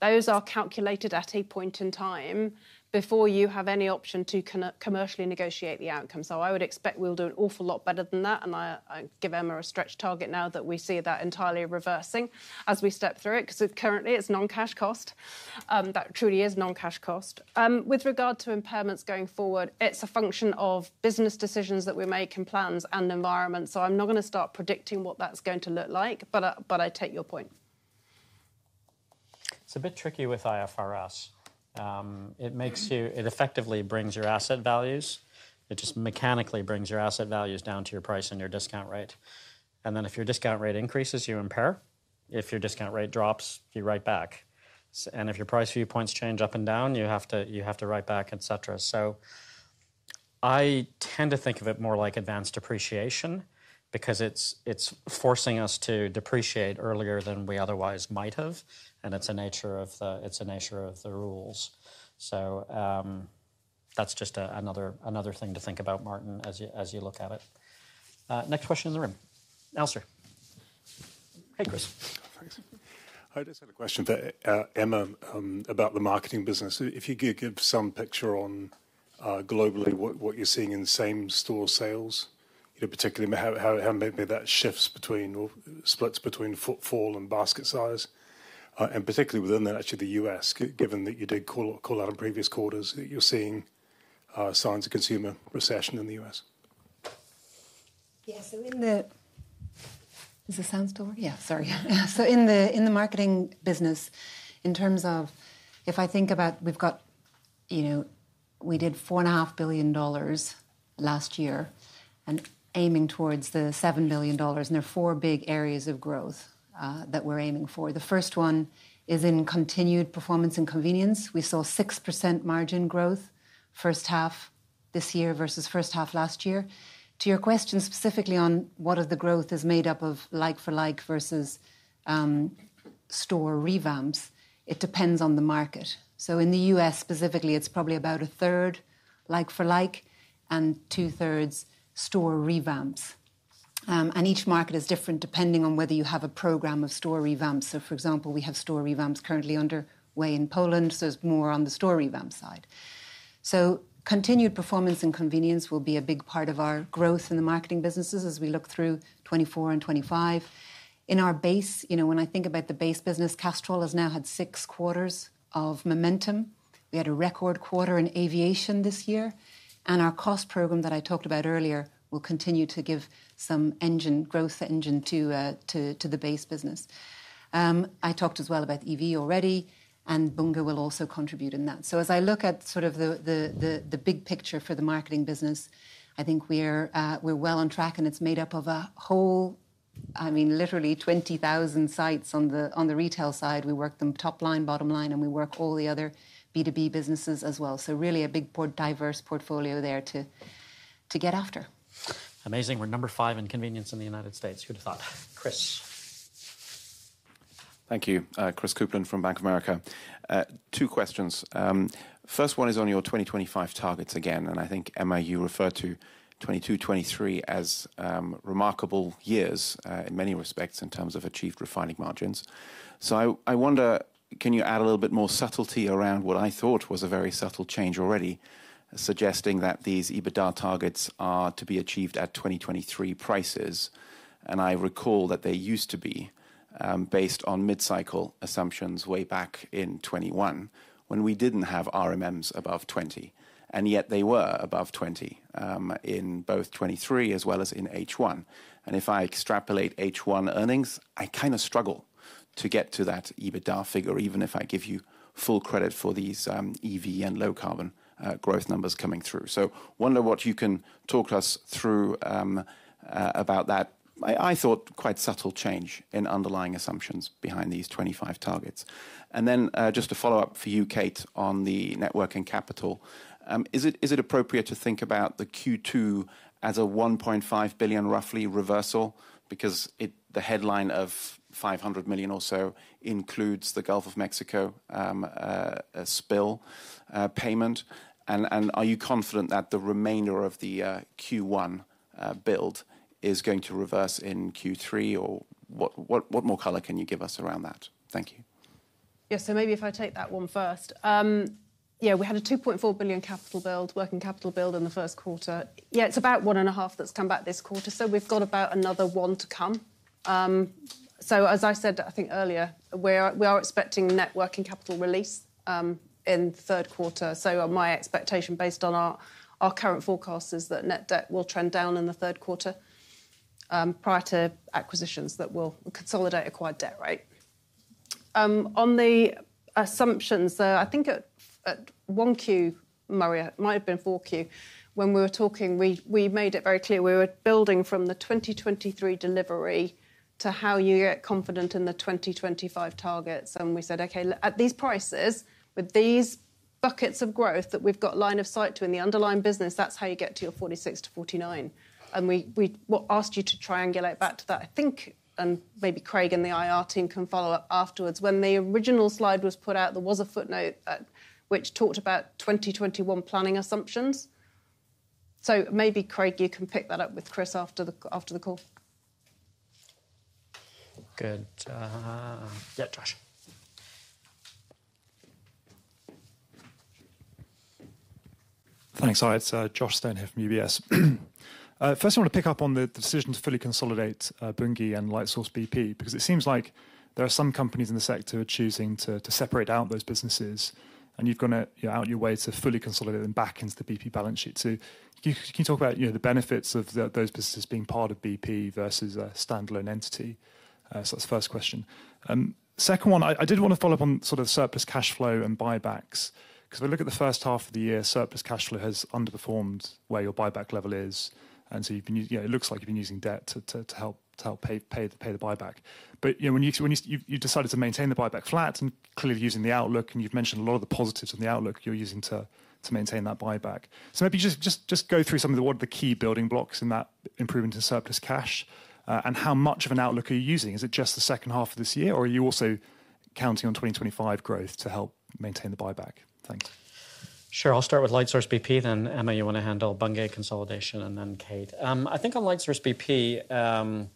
Those are calculated at a point in time before you have any option to commercially negotiate the outcome. So I would expect we'll do an awful lot better than that. I give Emma a stretch target now that we see that entirely reversing as we step through it because currently it's non-cash cost. That truly is non-cash cost. With regard to impairments going forward, it's a function of business decisions that we make and plans and environment. I'm not going to start predicting what that's going to look like, but I take your point. It's a bit tricky with IFRS. It effectively brings your asset values. It just mechanically brings your asset values down to your price and your discount rate. And then if your discount rate increases, you impair. If your discount rate drops, you write back. And if your price viewpoints change up and down, you have to write back, et cetera. So I tend to think of it more like advanced depreciation because it's forcing us to depreciate earlier than we otherwise might have. And it's a nature of the rules. So that's just another thing to think about, Martijn, as you look at it. Next question in the room. Alastair. Hey, Chris. Hi, just had a question for Emma about the marketing business. If you could give some picture on globally what you're seeing in same store sales, particularly how maybe that shifts between or splits between fuel and basket size. Particularly within actually the U.S., given that you did call out in previous quarters, you're seeing signs of consumer recession in the U.S.. So in the marketing business, in terms of if I think about we did $4.5 billion last year and aiming towards the $7 billion. And there are four big areas of growth that we're aiming for. The first one is in continued performance and convenience. We saw 6% margin growth first half this year versus first half last year. To your question specifically on what of the growth is made up of like-for-like versus store revamps, it depends on the market. So in the U.S. specifically, it's probably about a third like-for-like and two-thirds store revamps. And each market is different depending on whether you have a program of store revamps. So for example, we have store revamps currently underway in Poland. So it's more on the store revamp side. So continued performance and convenience will be a big part of our growth in the marketing businesses as we look through 2024 and 2025. In our base, when I think about the base business, Castrol has now had six quarters of momentum. We had a record quarter in aviation this year. Our cost program that I talked about earlier will continue to give some engine growth engine to the base business. I talked as well about EV already, and Bunge will also contribute in that. So as I look at sort of the big picture for the marketing business, I think we're well on track. And it's made up of a whole, I mean, literally 20,000 sites on the retail side. We work them top line, bottom line, and we work all the other B2B businesses as well. So really a big diverse portfolio there to get after. Amazing. We're number five in convenience in the United States. Who'd have thought? Chris. Thank you. Chris Kuplent from Bank of America. Two questions. First one is on your 2025 targets again. And I think, Emma, you referred to 2022, 2023 as remarkable years in many respects in terms of achieved refining margins. So I wonder, can you add a little bit more subtlety around what I thought was a very subtle change already, suggesting that these EBITDA targets are to be achieved at 2023 prices? And I recall that they used to be based on mid-cycle assumptions way back in 2021 when we didn't have RMMs above 20. And yet they were above 20 in both 2023 as well as in H1. And if I extrapolate H1 earnings, I kind of struggle to get to that EBITDA figure, even if I give you full credit for these EV and low carbon growth numbers coming through. So I wonder what you can talk to us through about that. I thought quite subtle change in underlying assumptions behind these 25 targets. And then just a follow-up for you, Kate, on the working capital. Is it appropriate to think about the Q2 as a $1.5 billion roughly reversal? Because the headline of $500 million or so includes the Gulf of Mexico spill payment. And are you confident that the remainder of the Q1 build is going to reverse in Q3? Or what more color can you give us around that? Thank you. Yes, so maybe if I take that one first. Yeah, we had a $2.4 billion working capital build in the first quarter. Yeah, it's about $1.5 billion that's come back this quarter. So we've got about another $1 billion to come. So as I said, I think earlier, we are expecting working capital release in the third quarter. So my expectation based on our current forecast is that net debt will trend down in the third quarter prior to acquisitions that will consolidate acquired debt, right? On the assumptions, I think at 1Q, Maria, it might have been 4Q, when we were talking, we made it very clear we were building from the 2023 delivery to how you get confident in the 2025 targets. We said, okay, at these prices, with these buckets of growth that we've got line of sight to in the underlying business, that's how you get to your $46-$49. We asked you to triangulate back to that. I think, and maybe Craig and the IR team can follow up afterwards. When the original slide was put out, there was a footnote which talked about 2021 planning assumptions. Maybe Craig, you can pick that up with Chris after the call. Good. Yeah, Josh. Thanks. Hi, it's Josh Stone here from UBS. First, I want to pick up on the decision to fully consolidate Bunge and Lightsource bp because it seems like there are some companies in the sector who are choosing to separate out those businesses. And you've gone out of your way to fully consolidate them back into the BP balance sheet. So can you talk about the benefits of those businesses being part of BP versus a standalone entity? So that's the first question. Second one, I did want to follow up on sort of surplus cash flow and buybacks. Because if we look at the first half of the year, surplus cash flow has underperformed where your buyback level is. And so it looks like you've been using debt to help pay the buyback. But when you decided to maintain the buyback flat and clearly using the Outlook, and you've mentioned a lot of the positives on the Outlook you're using to maintain that buyback. So maybe just go through some of the key building blocks in that improvement in surplus cash. And how much of an Outlook are you using? Is it just the second half of this year? Or are you also counting on 2025 growth to help maintain the buyback? Thanks. Sure. I'll start with Lightsource bp. Then, Emma, you want to handle Bunge consolidation and then Kate. I think on Lightsource bp,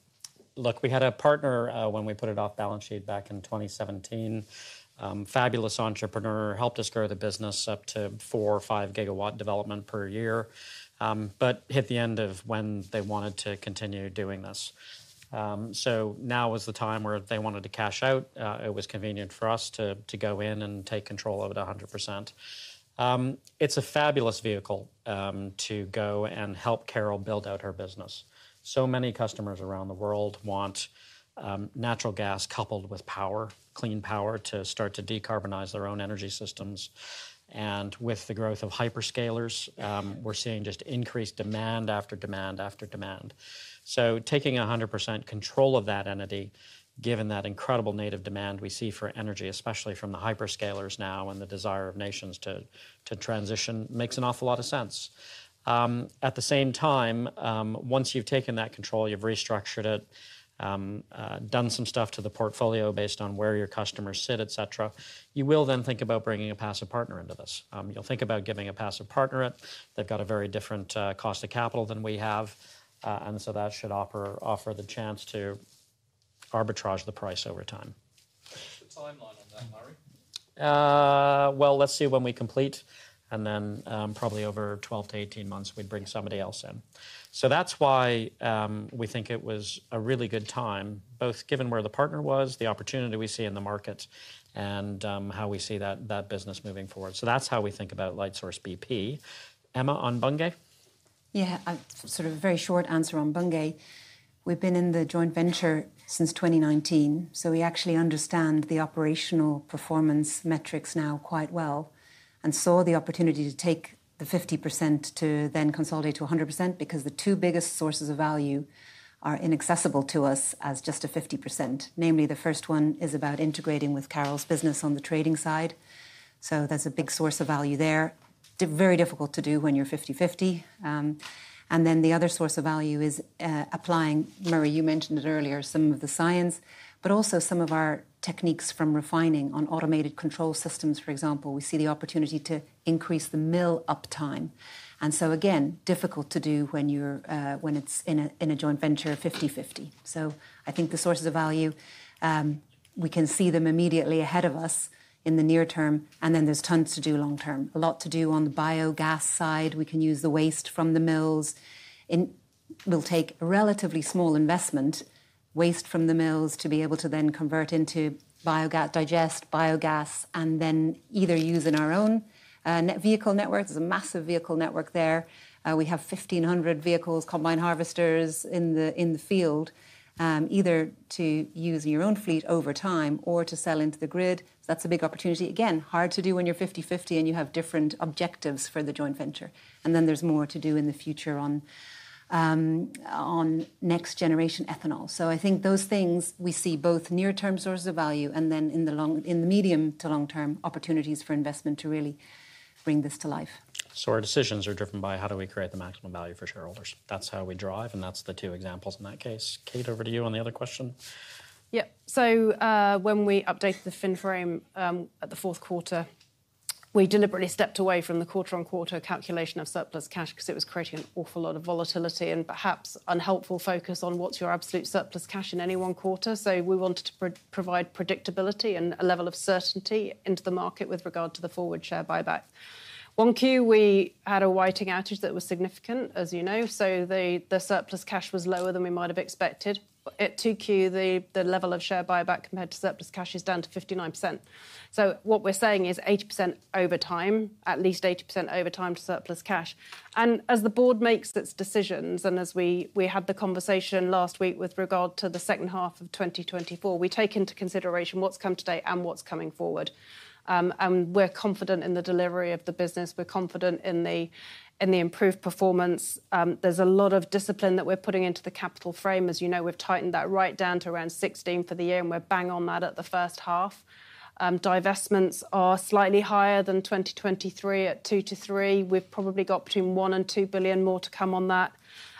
look, we had a partner when we put it off balance sheet back in 2017, fabulous entrepreneur, helped us grow the business up to 4GW or 5GW development per year, but hit the end of when they wanted to continue doing this. So now was the time where they wanted to cash out. It was convenient for us to go in and take control of it 100%. It's a fabulous vehicle to go and help Carol build out her business. So many customers around the world want natural gas coupled with power, clean power to start to decarbonize their own energy systems. And with the growth of hyperscalers, we're seeing just increased demand after demand after demand. So taking 100% control of that entity, given that incredible native demand we see for energy, especially from the hyperscalers now and the desire of nations to transition, makes an awful lot of sense. At the same time, once you've taken that control, you've restructured it, done some stuff to the portfolio based on where your customers sit, et cetera, you will then think about bringing a passive partner into this. You'll think about giving a passive partner it. They've got a very different cost of capital than we have. And so that should offer the chance to arbitrage the price over time. What's the timeline on that, Murray? Well, let's see when we complete. And then probably over 12-18 months, we'd bring somebody else in. So that's why we think it was a really good time, both given where the partner was, the opportunity we see in the market, and how we see that business moving forward. So that's how we think about Lightsource bp. Emma, on Bunge? Yeah, sort of a very short answer on Bunge. We've been in the joint venture since 2019. So we actually understand the operational performance metrics now quite well and saw the opportunity to take the 50% to then consolidate to 100% because the two biggest sources of value are inaccessible to us as just a 50%. Namely, the first one is about integrating with Carol's business on the trading side. So there's a big source of value there. Very difficult to do when you're 50/50. And then the other source of value is applying, Murray, you mentioned it earlier, some of the science, but also some of our techniques from refining on automated control systems. For example, we see the opportunity to increase the mill uptime. And so, again, difficult to do when it's in a joint venture 50/50. So I think the sources of value, we can see them immediately ahead of us in the near term. And then there's tons to do long term. A lot to do on the biogas side. We can use the waste from the mills. It will take a relatively small investment, waste from the mills, to be able to then convert into biogas, digest biogas, and then either use in our own vehicle network. There's a massive vehicle network there. We have 1,500 vehicles, combine harvesters in the field, either to use in your own fleet over time or to sell into the grid. So that's a big opportunity. Again, hard to do when you're 50/50 and you have different objectives for the joint venture. And then there's more to do in the future on next generation ethanol. I think those things we see both near-term sources of value and then in the medium to long-term opportunities for investment to really bring this to life. So our decisions are driven by how do we create the maximum value for shareholders. That's how we drive. That's the two examples in that case. Kate, over to you on the other question. Yeah. So when we updated the fin frame at the fourth quarter, we deliberately stepped away from the quarter-on-quarter calculation of surplus cash because it was creating an awful lot of volatility and perhaps unhelpful focus on what's your absolute surplus cash in any one quarter. So we wanted to provide predictability and a level of certainty into the market with regard to the forward share buyback. One Q, we had a Whiting outage that was significant, as you know. So the surplus cash was lower than we might have expected. At two Q, the level of share buyback compared to surplus cash is down to 59%. So what we're saying is 80% over time, at least 80% over time to surplus cash. As the board makes its decisions, and as we had the conversation last week with regard to the second half of 2024, we take into consideration what's come today and what's coming forward. We're confident in the delivery of the business. We're confident in the improved performance. There's a lot of discipline that we're putting into the capital frame. As you know, we've tightened that right down to around $16 billion for the year. And we're bang on that at the first half. Divestments are slightly higher than 2023 at $2-$3 billion. We've probably got between $1 billion and $2 billion more to come on that.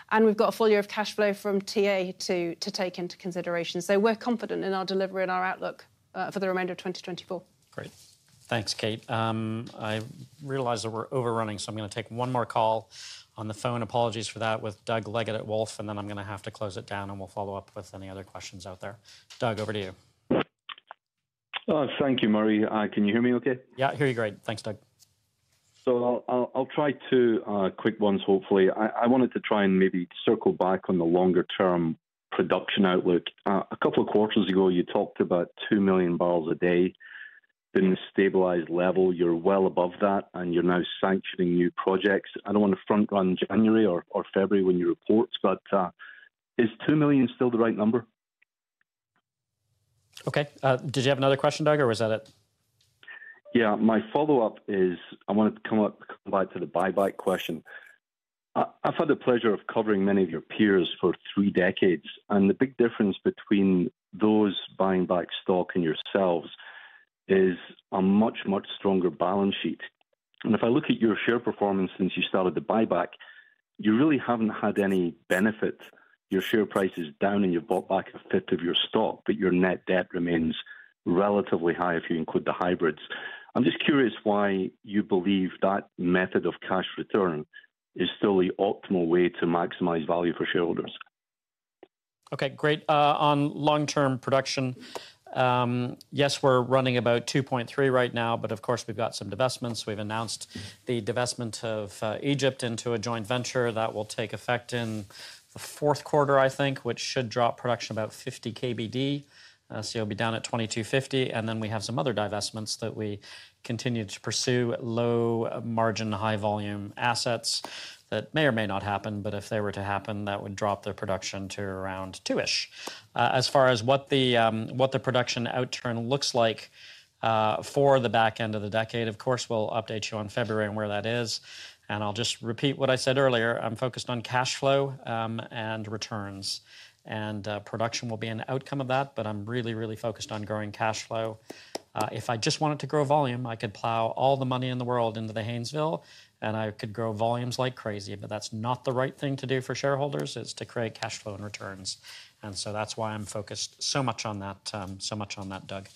And we've got a full year of cash flow from TA to take into consideration. So we're confident in our delivery and our outlook for the remainder of 2024. Great. Thanks, Kate. I realize that we're overrunning. So I'm going to take one more call on the phone. Apologies for that with Doug Leggate at Wolfe. And then I'm going to have to close it down. And we'll follow up with any other questions out there. Doug, over to you. Thank you, Murray. Can you hear me okay? Yeah, I hear you great. Thanks, Doug. I'll try two quick ones, hopefully. I wanted to try and maybe circle back on the longer-term production outlook. A couple of quarters ago, you talked about 2 million barrels a day in a stabilized level. You're well above that. And you're now sanctioning new projects. I don't want to front-run January or February when you report. But is 2 million still the right number? OK. Did you have another question, Doug? Or was that it? Yeah. My follow-up is I wanted to come back to the buyback question. I've had the pleasure of covering many of your peers for three decades. And the big difference between those buying back stock and yourselves is a much, much stronger balance sheet. And if I look at your share performance since you started the buyback, you really haven't had any benefit. Your share price is down, and you've bought back a fifth of your stock. But your net debt remains relatively high if you include the hybrids. I'm just curious why you believe that method of cash return is still the optimal way to maximize value for shareholders. OK, great. On long-term production, yes, we're running about 2.3 right now. But of course, we've got some divestments. We've announced the divestment of Egypt into a joint venture that will take effect in the fourth quarter, I think, which should drop production about 50 KBD. So you'll be down at 2.2/50. And then we have some other divestments that we continue to pursue low margin, high volume assets that may or may not happen. But if they were to happen, that would drop their production to around two-ish. As far as what the production outturn looks like for the back end of the decade, of course, we'll update you on February and where that is. And I'll just repeat what I said earlier. I'm focused on cash flow and returns. And production will be an outcome of that. But I'm really, really focused on growing cash flow. If I just wanted to grow volume, I could plow all the money in the world into the Haynesville. And I could grow volumes like crazy. But that's not the right thing to do for shareholders. It's to create cash flow and returns. And so that's why I'm focused so much on that, so much on that, Doug.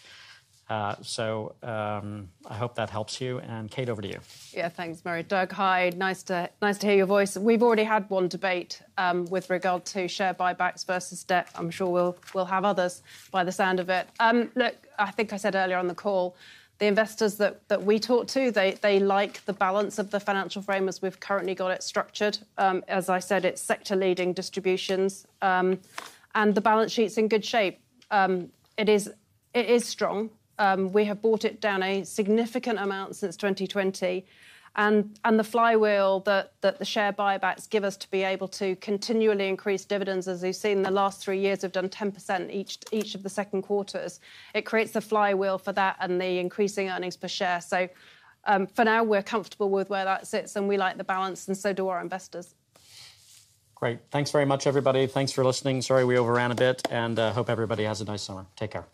So I hope that helps you. And Kate, over to you. Yeah, thanks, Murray. Doug hi, nice to hear your voice. We've already had one debate with regard to share buybacks versus debt. I'm sure we'll have others by the sound of it. Look, I think I said earlier on the call, the investors that we talk to, they like the balance of the financial frame as we've currently got it structured. As I said, it's sector-leading distributions. And the balance sheet's in good shape. It is strong. We have brought it down a significant amount since 2020. And the flywheel that the share buybacks give us to be able to continually increase dividends, as we've seen in the last three years, have done 10% each of the second quarters, it creates a flywheel for that and the increasing earnings per share. So for now, we're comfortable with where that sits. And we like the balance. And so do our investors. Great. Thanks very much, everybody. Thanks for listening. Sorry we overran a bit. Hope everybody has a nice summer. Take care.